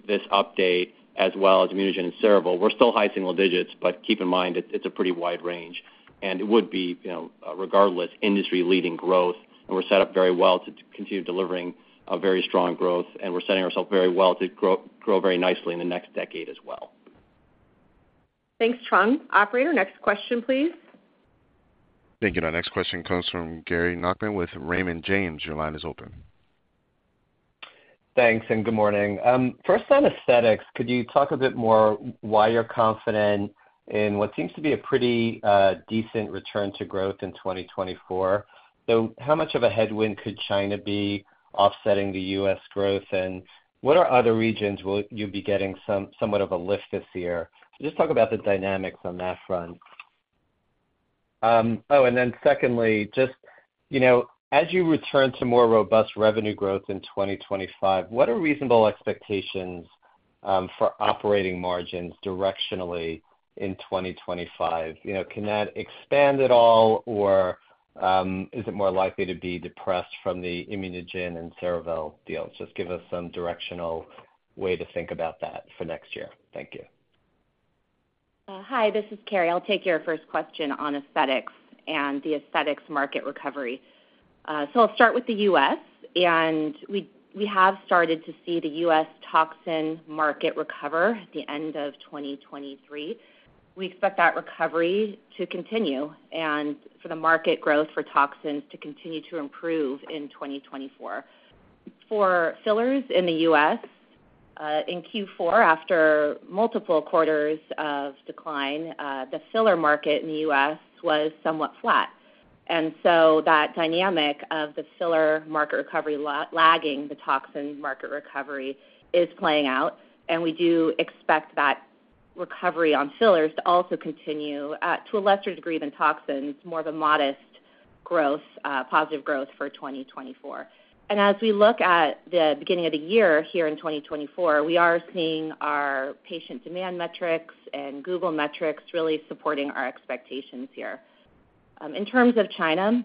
this update, as well as ImmunoGen and Cerevel, we're still high single digits, but keep in mind, it's a pretty wide range, and it would be, you know, regardless, industry-leading growth, and we're set up very well to continue delivering a very strong growth, and we're setting ourselves very well to grow, grow very nicely in the next decade as well. Thanks, Trung Huynh. Operator, next question, please. Thank you. Our next question comes from Gary Nachman with Raymond James. Your line is open. Thanks, and good morning. First, on aesthetics, could you talk a bit more why you're confident in what seems to be a pretty decent return to growth in 2024? So how much of a headwind could China be offsetting the U.S. growth, and what other regions will you be getting somewhat of a lift this year? Just talk about the dynamics on that front. Oh, and then secondly, just, you know, as you return to more robust revenue growth in 2025, what are reasonable expectations for operating margins directionally in 2025? You know, can that expand at all, or is it more likely to be depressed from the ImmunoGen and Cerevel deals? Just give us some directional way to think about that for next year. Thank you. Hi, this is Carrie. I'll take your first question on aesthetics and the aesthetics market recovery. So I'll start with the U.S., and we have started to see the U.S. toxin market recover at the end of 2023. We expect that recovery to continue and for the market growth for toxins to continue to improve in 2024. For fillers in the U.S., in Q4, after multiple quarters of decline, the filler market in the U.S. was somewhat flat. And so that dynamic of the filler market recovery lagging the toxin market recovery is playing out, and we do expect that recovery on fillers to also continue, to a lesser degree than toxins, more of a modest growth, positive growth for 2024. As we look at the beginning of the year here in 2024, we are seeing our patient demand metrics and Google metrics really supporting our expectations here. In terms of China,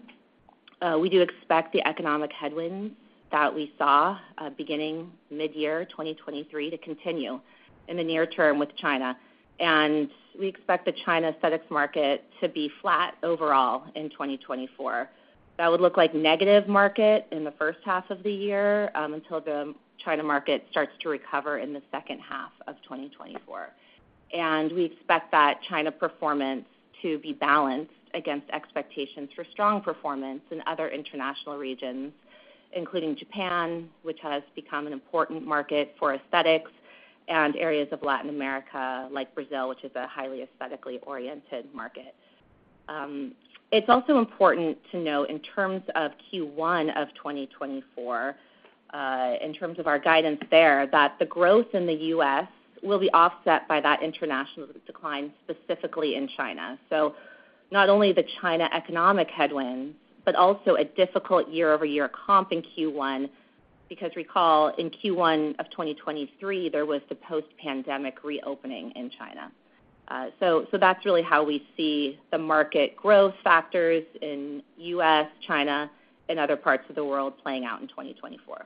we do expect the economic headwinds that we saw beginning mid-year 2023 to continue in the near term with China. We expect the China aesthetics market to be flat overall in 2024. That would look like negative market in the first half of the year, until the China market starts to recover in the second half of 2024. We expect that China performance to be balanced against expectations for strong performance in other international regions, including Japan, which has become an important market for aesthetics, and areas of Latin America, like Brazil, which is a highly aesthetically oriented market. It's also important to note in terms of Q1 of 2024, in terms of our guidance there, that the growth in the U.S. will be offset by that international decline, specifically in China. Not only the China economic headwinds, but also a difficult year-over-year comp in Q1, because recall, in Q1 of 2023, there was the post-pandemic reopening in China. That's really how we see the market growth factors in U.S., China, and other parts of the world playing out in 2024.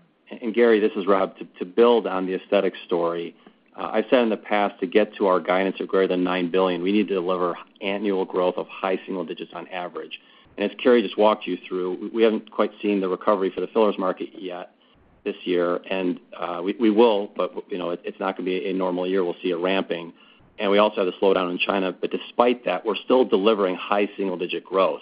Gary, this is Rob. To build on the aesthetics story, I've said in the past, to get to our guidance of greater than $9 billion, we need to deliver annual growth of high single digits on average. And as Carrie just walked you through, we haven't quite seen the recovery for the fillers market yet this year, and we will, but you know, it's not going to be a normal year. We'll see a ramping, and we also have the slowdown in China. But despite that, we're still delivering high single-digit growth.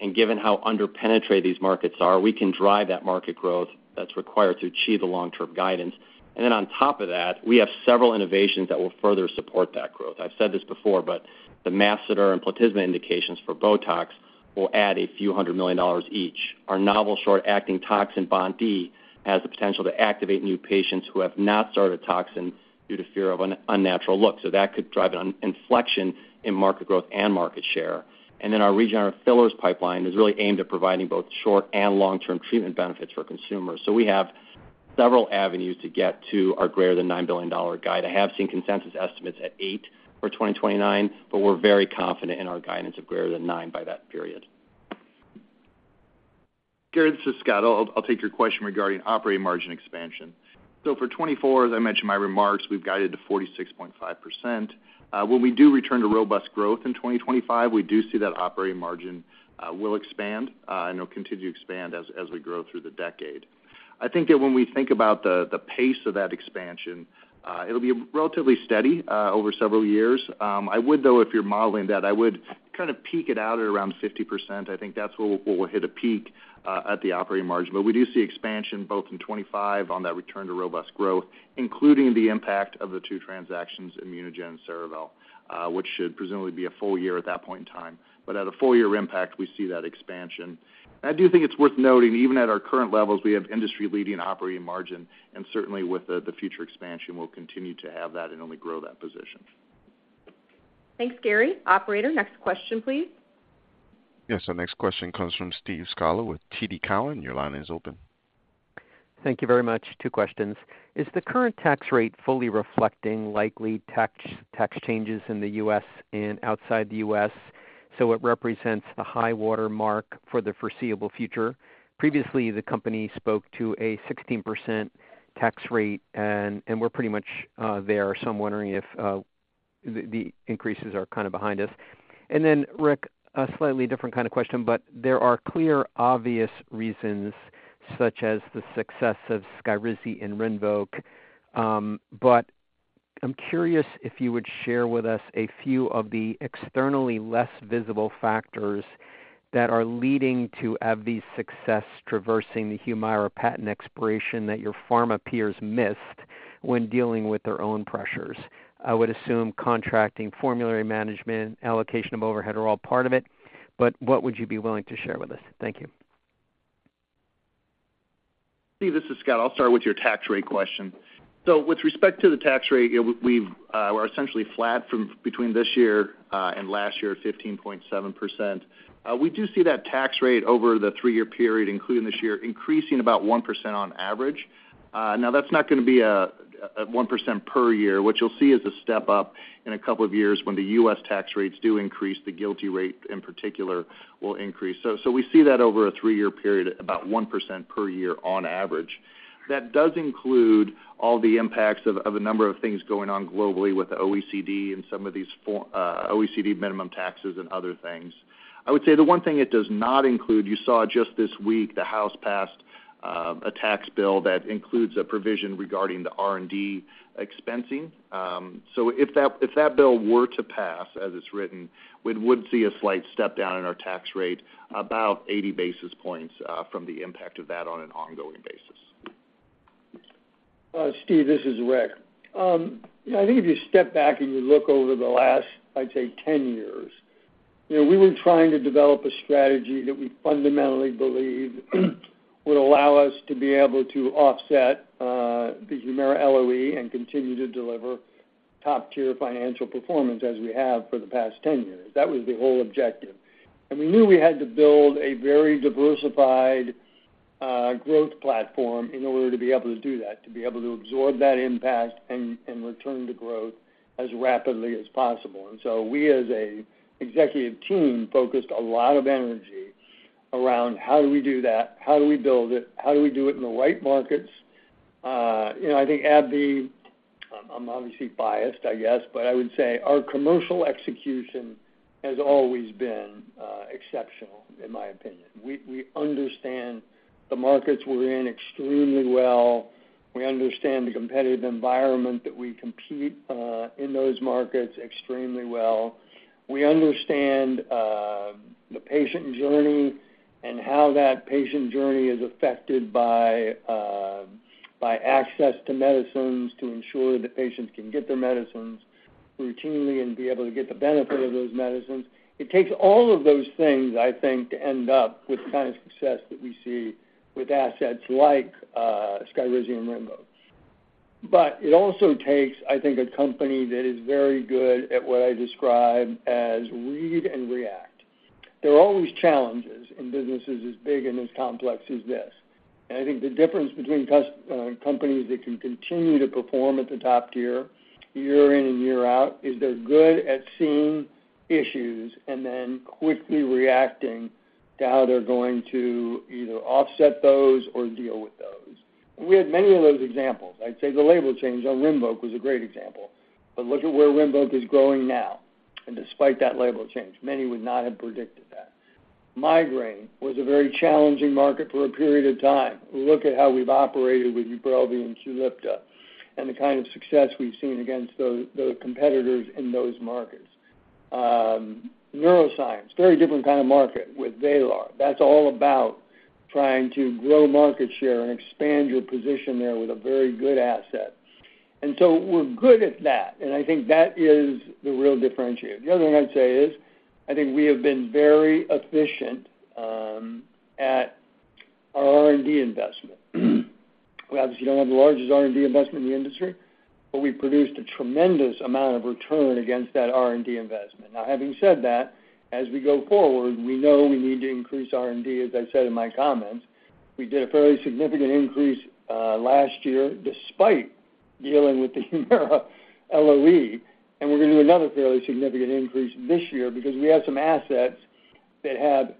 And given how under-penetrated these markets are, we can drive that market growth that's required to achieve the long-term guidance. And then on top of that, we have several innovations that will further support that growth. I've said this before, but the masseter and platysma indications for BOTOX will add a few hundred million dollars each. Our novel short-acting toxin, BoNT/E, has the potential to activate new patients who have not started a toxin due to fear of an unnatural look. So that could drive an inflection in market growth and market share. And then our regenerative fillers pipeline is really aimed at providing both short- and long-term treatment benefits for consumers. So we have several avenues to get to our greater than $9 billion guide. I have seen consensus estimates at $8 billion for 2029, but we're very confident in our guidance of greater than $9 billion by that period. Gary, this is Scott. I'll take your question regarding operating margin expansion. So for 2024, as I mentioned in my remarks, we've guided to 46.5%. When we do return to robust growth in 2025, we do see that operating margin will expand, and it'll continue to expand as we grow through the decade. I think that when we think about the pace of that expansion, it'll be relatively steady over several years. I would, though, if you're modeling that, I would kind of peak it out at around 50%. I think that's where we'll hit a peak at the operating margin. But we do see expansion both in 2025 on that return to robust growth, including the impact of the two transactions, ImmunoGen and Cerevel, which should presumably be a full year at that point in time. But at a full year impact, we see that expansion. I do think it's worth noting, even at our current levels, we have industry-leading operating margin, and certainly with the future expansion, we'll continue to have that and only grow that position. Thanks, Gary. Operator, next question, please. Yes, our next question comes from Steve Scala with TD Cowen. Your line is open. Thank you very much. Two questions: Is the current tax rate fully reflecting likely tax changes in the U.S. and outside the U.S., so it represents a high-water mark for the foreseeable future? Previously, the company spoke to a 16% tax rate, and we're pretty much there. So I'm wondering if the increases are kind of behind us. And then, Rick, a slightly different kind of question, but there are clear, obvious reasons, such as the success of Skyrizi and Rinvoq, but I'm curious if you would share with us a few of the externally less visible factors that are leading to AbbVie's success traversing the Humira patent expiration that your pharma peers missed when dealing with their own pressures. I would assume contracting, formulary management, allocation of overhead are all part of it, but what would you be willing to share with us? Thank you. Steve, this is Scott. I'll start with your tax rate question. So with respect to the tax rate, you know, we've, we're essentially flat from between this year and last year, 15.7%. We do see that tax rate over the three-year period, including this year, increasing about 1% on average. Now, that's not gonna be a 1% per year. What you'll see is a step-up in a couple of years when the U.S. tax rates do increase, the GILTI rate, in particular, will increase. So we see that over a three-year period, about 1% per year on average. That does include all the impacts of a number of things going on globally with the OECD and some of these form— OECD minimum taxes and other things. I would say the one thing it does not include. You saw just this week, the House passed a tax bill that includes a provision regarding the R&D expensing. So if that, if that bill were to pass as it's written, we would see a slight step down in our tax rate, about 80 basis points, from the impact of that on an ongoing basis. Steve, this is Rick. I think if you step back and you look over the last, I'd say, 10 years, you know, we were trying to develop a strategy that we fundamentally believed would allow us to be able to offset the Humira LOE and continue to deliver top-tier financial performance as we have for the past 10 years. That was the whole objective. We knew we had to build a very diversified growth platform in order to be able to do that, to be able to absorb that impact and return to growth as rapidly as possible. So we, as a executive team, focused a lot of energy around how do we do that? How do we build it? How do we do it in the right markets? You know, I think AbbVie, I'm obviously biased, I guess, but I would say our commercial execution has always been exceptional, in my opinion. We understand the markets we're in extremely well. We understand the competitive environment that we compete in those markets extremely well. We understand the patient journey and how that patient journey is affected by by access to medicines, to ensure that patients can get their medicines routinely and be able to get the benefit of those medicines. It takes all of those things, I think, to end up with the kind of success that we see with assets like Skyrizi and Rinvoq. But it also takes, I think, a company that is very good at what I describe as read and react. There are always challenges in businesses as big and as complex as this. I think the difference between companies that can continue to perform at the top tier, year in and year out, is they're good at seeing issues and then quickly reacting to how they're going to either offset those or deal with those. We had many of those examples. I'd say the label change on Rinvoq was a great example, but look at where Rinvoq is growing now, and despite that label change, many would not have predicted that. Migraine was a very challenging market for a period of time. Look at how we've operated with Ubrelvy and QULIPTA, and the kind of success we've seen against those competitors in those markets. Neuroscience, very different kind of market with Vraylar. That's all about trying to grow market share and expand your position there with a very good asset. We're good at that, and I think that is the real differentiator. The other thing I'd say is, I think we have been very efficient at our R&D investment. We obviously don't have the largest R&D investment in the industry, But we produced a tremendous amount of return against that R&D investment. Now, having said that, as we go forward, we know we need to increase R&D, as I said in my comments. We did a fairly significant increase last year, despite dealing with the Humira LOE, and we're gonna do another fairly significant increase this year because we have some assets that have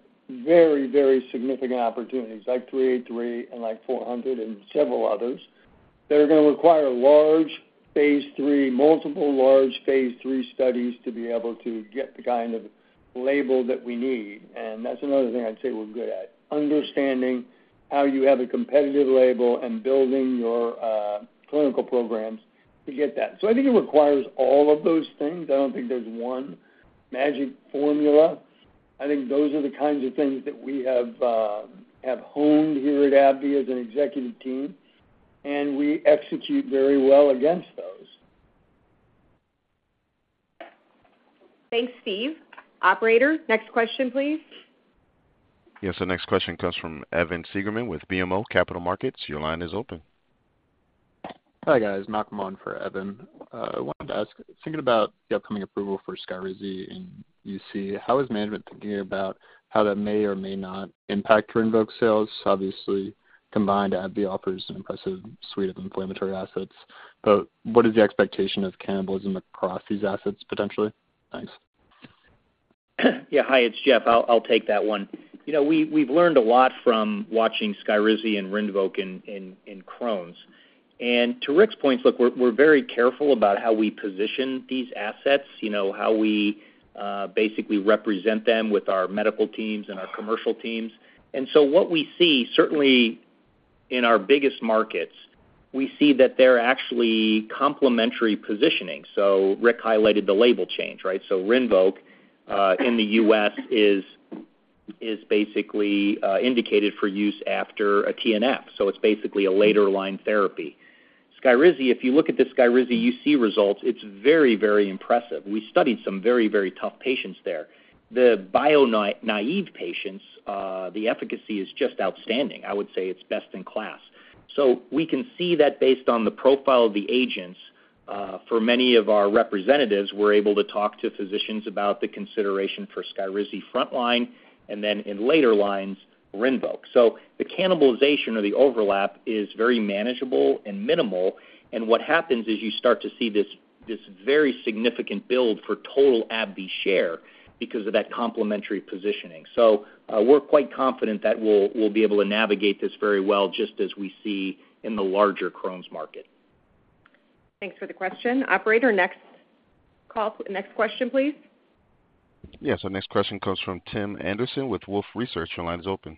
very, very significant opportunities, like ABBV-383 and like ABBV-400 and several others, that are gonna require large phase III, multiple large phase III studies to be able to get the kind of label that we need. And that's another thing I'd say we're good at, understanding how you have a competitive label and building your clinical programs to get that. So I think it requires all of those things. I don't think there's one magic formula. I think those are the kinds of things that we have honed here at AbbVie as an executive team, and we execute very well against those. Thanks, Steve. Operator, next question, please. Yes, the next question comes from Evan Seigerman with BMO Capital Markets. Your line is open. Hi, guys. Malcolm on for Evan. I wanted to ask, thinking about the upcoming approval for Skyrizi in UC, how is management thinking about how that may or may not impact Rinvoq sales? Obviously, combined, AbbVie offers an impressive suite of inflammatory assets, but what is the expectation of cannibalism across these assets, potentially? Thanks. Yeah. Hi, it's Jeff. I'll take that one. You know, we've learned a lot from watching Skyrizi and Rinvoq in Crohn's. And to Rick's point, look, we're very careful about how we position these assets, you know, how we basically represent them with our medical teams and our commercial teams. And so what we see, certainly in our biggest markets, we see that they're actually complementary positioning. So Rick highlighted the label change, right? So Rinvoq in the U.S. is basically indicated for use after a TNF, so it's basically a later line therapy. Skyrizi, if you look at the Skyrizi UC results, it's very, very impressive. We studied some very, very tough patients there. The biologic-naive patients, the efficacy is just outstanding. I would say it's best in class. So we can see that based on the profile of the agents, for many of our representatives, we're able to talk to physicians about the consideration for Skyrizi frontline, and then in later lines, Rinvoq. So the cannibalization or the overlap is very manageable and minimal, and what happens is you start to see this very significant build for total AbbVie share because of that complementary positioning. So, we're quite confident that we'll be able to navigate this very well, just as we see in the larger Crohn's market. Thanks for the question. Operator, next question, please. Yes, our next question comes from Tim Anderson with Wolfe Research. Your line is open.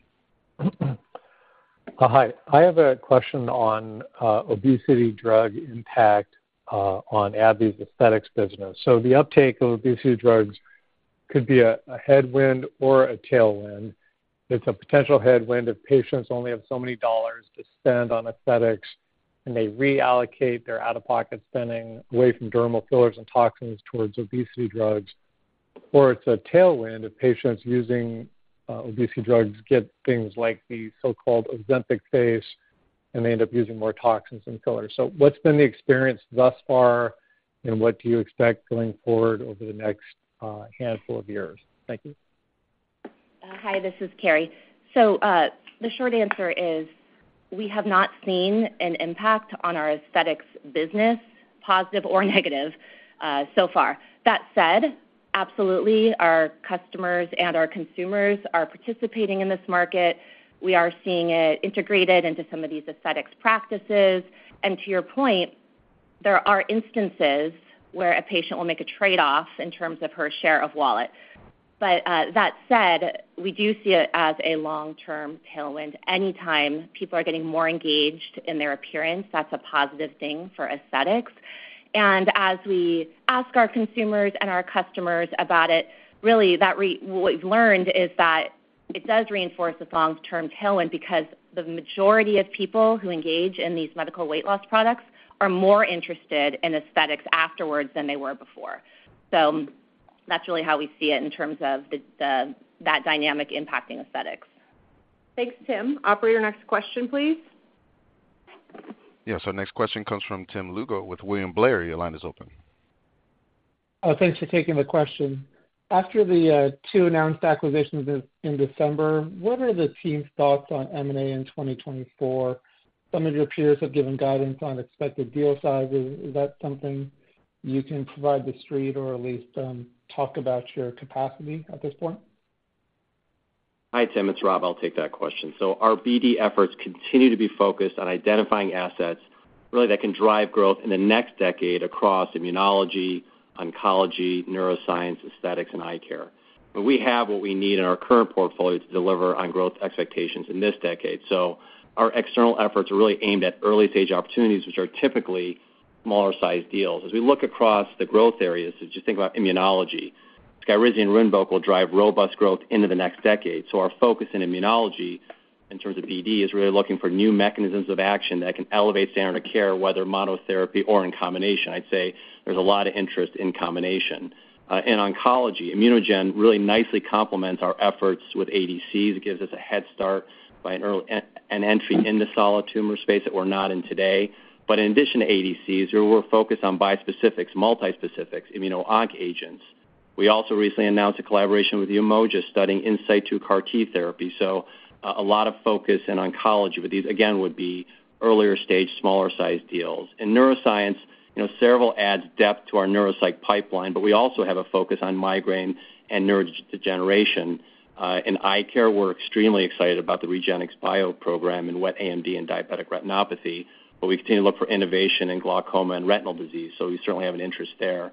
Hi, I have a question on obesity drug impact on AbbVie's aesthetics business. So the uptake of obesity drugs could be a headwind or a tailwind. It's a potential headwind if patients only have so many dollars to spend on aesthetics, and they reallocate their out-of-pocket spending away from dermal fillers and toxins towards obesity drugs. Or it's a tailwind if patients using obesity drugs get things like the so-called Ozempic Face, and they end up using more toxins and fillers. So what's been the experience thus far, and what do you expect going forward over the next handful of years? Thank you. Hi, this is Carrie. So, the short answer is, we have not seen an impact on our aesthetics business, positive or negative, so far. That said, absolutely, our customers and our consumers are participating in this market. We are seeing it integrated into some of these aesthetics practices. And to your point, there are instances where a patient will make a trade-off in terms of her share of wallet. But, that said, we do see it as a long-term tailwind. Anytime people are getting more engaged in their appearance, that's a positive thing for aesthetics. And as we ask our consumers and our customers about it, really, what we've learned is that it does reinforce the long-term tailwind because the majority of people who engage in these medical weight loss products are more interested in aesthetics afterwards than they were before. So that's really how we see it in terms of that dynamic impacting aesthetics. Thanks, Tim. Operator, next question, please. Yes, our next question comes from Tim Lugo with William Blair. Your line is open. Thanks for taking the question. After the two announced acquisitions in December, what are the team's thoughts on M&A in 2024? Some of your peers have given guidance on expected deal size. Is that something you can provide the Street or at least talk about your capacity at this point? Hi, Tim, it's Rob. I'll take that question. So our BD efforts continue to be focused on identifying assets really that can drive growth in the next decade across immunology, oncology, neuroscience, aesthetics, and eye care. But we have what we need in our current portfolio to deliver on growth expectations in this decade. So our external efforts are really aimed at early-stage opportunities, which are typically smaller-sized deals. As we look across the growth areas, as you think about immunology, Skyrizi and Rinvoq will drive robust growth into the next decade. So our focus in immunology, in terms of BD, is really looking for new mechanisms of action that can elevate standard of care, whether monotherapy or in combination. I'd say there's a lot of interest in combination. In oncology, ImmunoGen really nicely complements our efforts with ADCs. It gives us a head start by an early entry in the solid tumor space that we're not in today. But in addition to ADCs, we're focused on bispecifics, multispecifics, immuno-onc agents. We also recently announced a collaboration with Umoja, studying in situ CAR T therapy. So a lot of focus in oncology, but these, again, would be earlier stage, smaller-sized deals. In neuroscience, you know, Cerevel adds depth to our neuropsych pipeline, but we also have a focus on migraine and neurodegeneration. In eye care, we're extremely excited about the REGENXBIO program in wet AMD and diabetic retinopathy, but we continue to look for innovation in glaucoma and retinal disease, so we certainly have an interest there.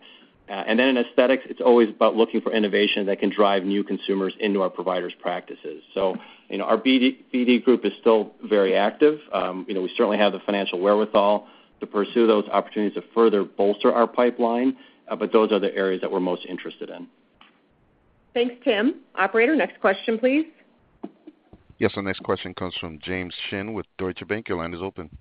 And then in aesthetics, it's always about looking for innovation that can drive new consumers into our providers' practices. So, you know, our BD, BD group is still very active. You know, we certainly have the financial wherewithal to pursue those opportunities to further bolster our pipeline, but those are the areas that we're most interested in. Thanks, Tim. Operator, next question, please. Yes, our next question comes from James Shin with Deutsche Bank. Your line is open.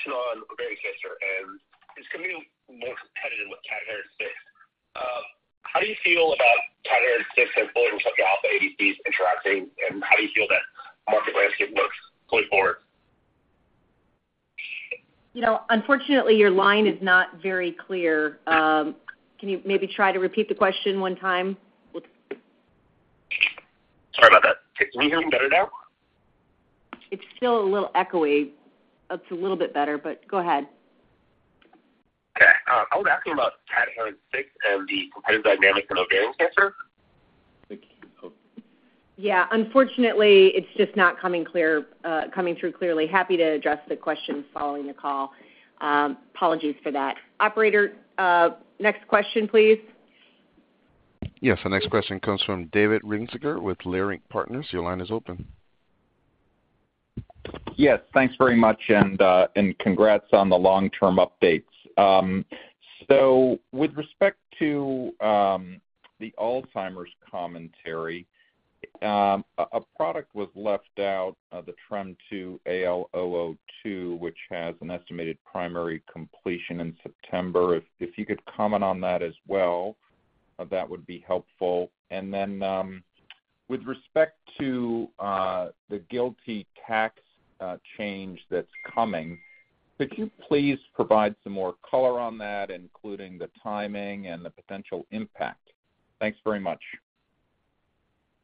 Hi, good morning. I had a question on ovarian cancer, and it's becoming more competitive with CAT6. How do you feel about CAT6 has fully took out the ADCs interacting, and how do you feel that market landscape looks going forward? You know, unfortunately, your line is not very clear. Can you maybe try to repeat the question one time? Sorry about that. Can you hear me better now? It's still a little echoey. It's a little bit better, but go ahead. Okay. I was asking about CAT6 and the competitive dynamics in ovarian cancer. Yeah, unfortunately, it's just not coming through clearly. Happy to address the question following the call. Apologies for that. Operator, next question, please. Yes, the next question comes from David Risinger with Leerink Partners. Your line is open. Yes, thanks very much, and congrats on the long-term updates. So with respect to the Alzheimer's commentary, a product was left out, the TREM2-AL002, which has an estimated primary completion in September. If you could comment on that as well, that would be helpful. And then, with respect to the GILTI tax change that's coming, could you please provide some more color on that, including the timing and the potential impact? Thanks very much.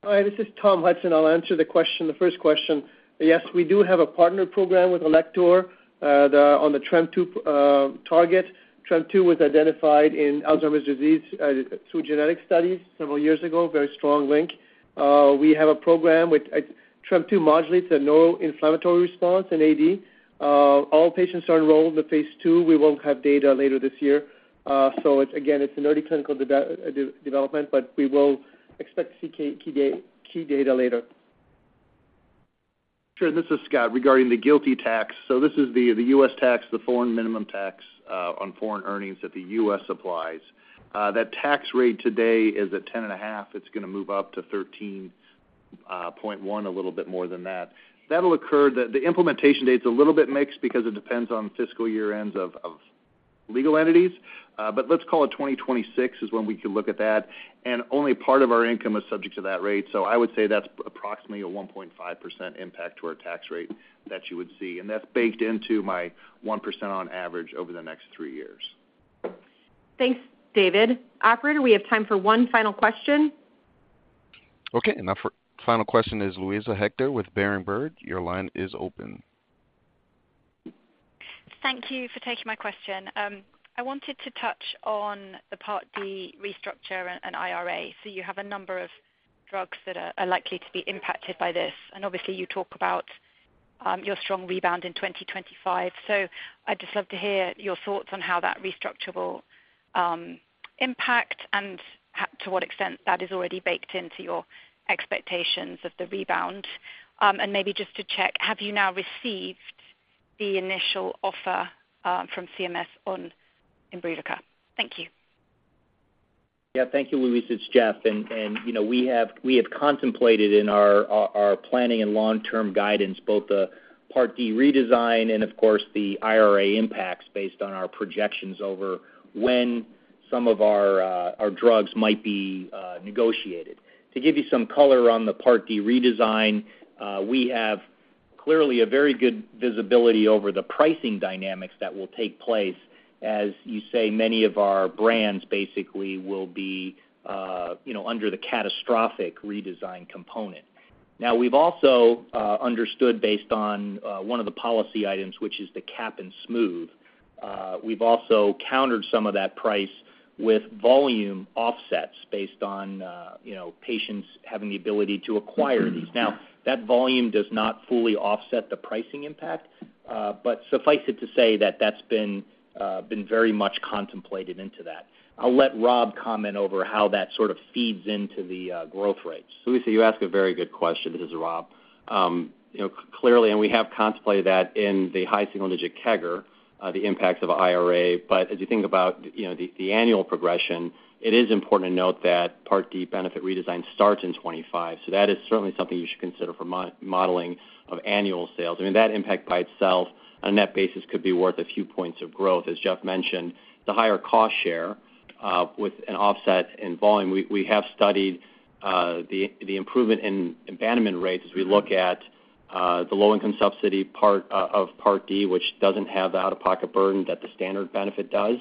Hi, this is Tom Hudson. I'll answer the question, the first question. Yes, we do have a partner program with Alector on the TREM2 target. TREM2 was identified in Alzheimer's disease through genetic studies several years ago, very strong link. We have a program with-- TREM2 modulates a neuro-inflammatory response in AD. All patients are enrolled in the phase II. We will have data later this year. So again, it's an early clinical development, but we will expect to see key data later. Sure. This is Scott, regarding the GILTI tax. So this is the U.S. tax, the foreign minimum tax on foreign earnings that the U.S. applies. That tax rate today is at 10.5%. It's gonna move up to 13.1%, a little bit more than that. That'll occur. The implementation date's a little bit mixed because it depends on fiscal year ends of legal entities, but let's call it 2026, is when we can look at that, and only part of our income is subject to that rate. So I would say that's approximately a 1.5% impact to our tax rate that you would see, and that's baked into my 1% on average over the next three years. Thanks, David. Operator, we have time for one final question. Okay, and our final question is Luisa Hector with Berenberg. Your line is open. Thank you for taking my question. I wanted to touch on the Part D restructure and IRA. So you have a number of drugs that are likely to be impacted by this, and obviously, you talk about your strong rebound in 2025. So I'd just love to hear your thoughts on how that restructure will impact and to what extent that is already baked into your expectations of the rebound. And maybe just to check, have you now received the initial offer from CMS on Imbruvica? Thank you. Yeah. Thank you, Luisa. It's Jeff. And you know, we have contemplated in our planning and long-term guidance, both the Part D redesign and, of course, the IRA impacts based on our projections over when some of our drugs might be negotiated. To give you some color on the Part D redesign, we have clearly a very good visibility over the pricing dynamics that will take place. As you say, many of our brands basically will be, you know, under the catastrophic redesign component. Now, we've also understood, based on one of the policy items, which is the cap and smooth, we've also countered some of that price with volume offsets based on, you know, patients having the ability to acquire these. Now, that volume does not fully offset the pricing impact, but suffice it to say that that's been, been very much contemplated into that. I'll let Rob comment over how that sort of feeds into the growth rates. Luisa, you ask a very good question. This is Rob. You know, clearly, and we have contemplated that in the high single-digit CAGR, the impacts of IRA, but as you think about, you know, the, the annual progression, it is important to note that Part D benefit redesign starts in 2025, so that is certainly something you should consider for modeling of annual sales. I mean, that impact by itself, on a net basis, could be worth a few points of growth. As Jeff mentioned, the higher cost share, with an offset in volume, we, we have studied, the, the improvement in abandonment rates as we look at, the low-income subsidy part, of Part D, which doesn't have the out-of-pocket burden that the standard benefit does.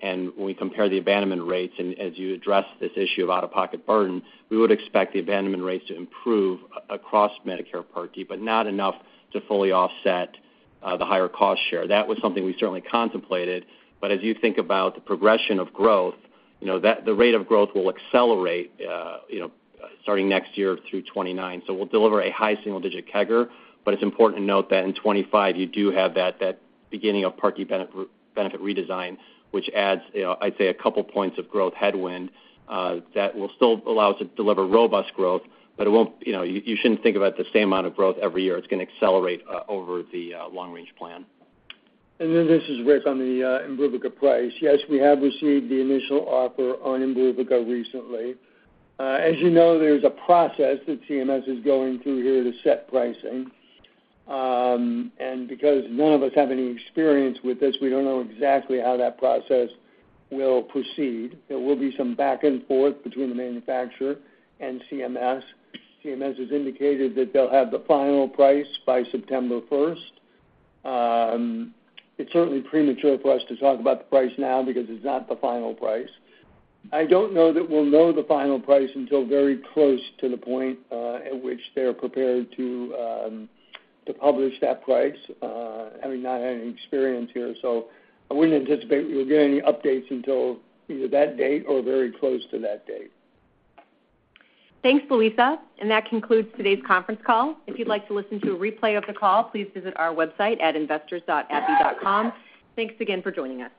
When we compare the abandonment rates, and as you address this issue of out-of-pocket burden, we would expect the abandonment rates to improve across Medicare Part D, but not enough to fully offset the higher cost share. That was something we certainly contemplated, but as you think about the progression of growth, you know, the rate of growth will accelerate, you know, starting next year through 2029. So we'll deliver a high single-digit CAGR, but it's important to note that in 2025, you do have that beginning of Part D benefit redesign, which adds, you know, I'd say, a couple points of growth headwind that will still allow us to deliver robust growth, but it won't. You know, you shouldn't think about the same amount of growth every year. It's gonna accelerate over the long-range plan. This is Rick on the Imbruvica price. Yes, we have received the initial offer on Imbruvica recently. As you know, there's a process that CMS is going through here to set pricing. And because none of us have any experience with this, we don't know exactly how that process will proceed. There will be some back and forth between the manufacturer and CMS. CMS has indicated that they'll have the final price by September first. It's certainly premature for us to talk about the price now because it's not the final price. I don't know that we'll know the final price until very close to the point at which they're prepared to publish that price, having not had any experience here. So I wouldn't anticipate we'll get any updates until either that date or very close to that date. Thanks, Luisa. That concludes today's conference call. If you'd like to listen to a replay of the call, please visit our website at investors.abbvie.com. Thanks again for joining us.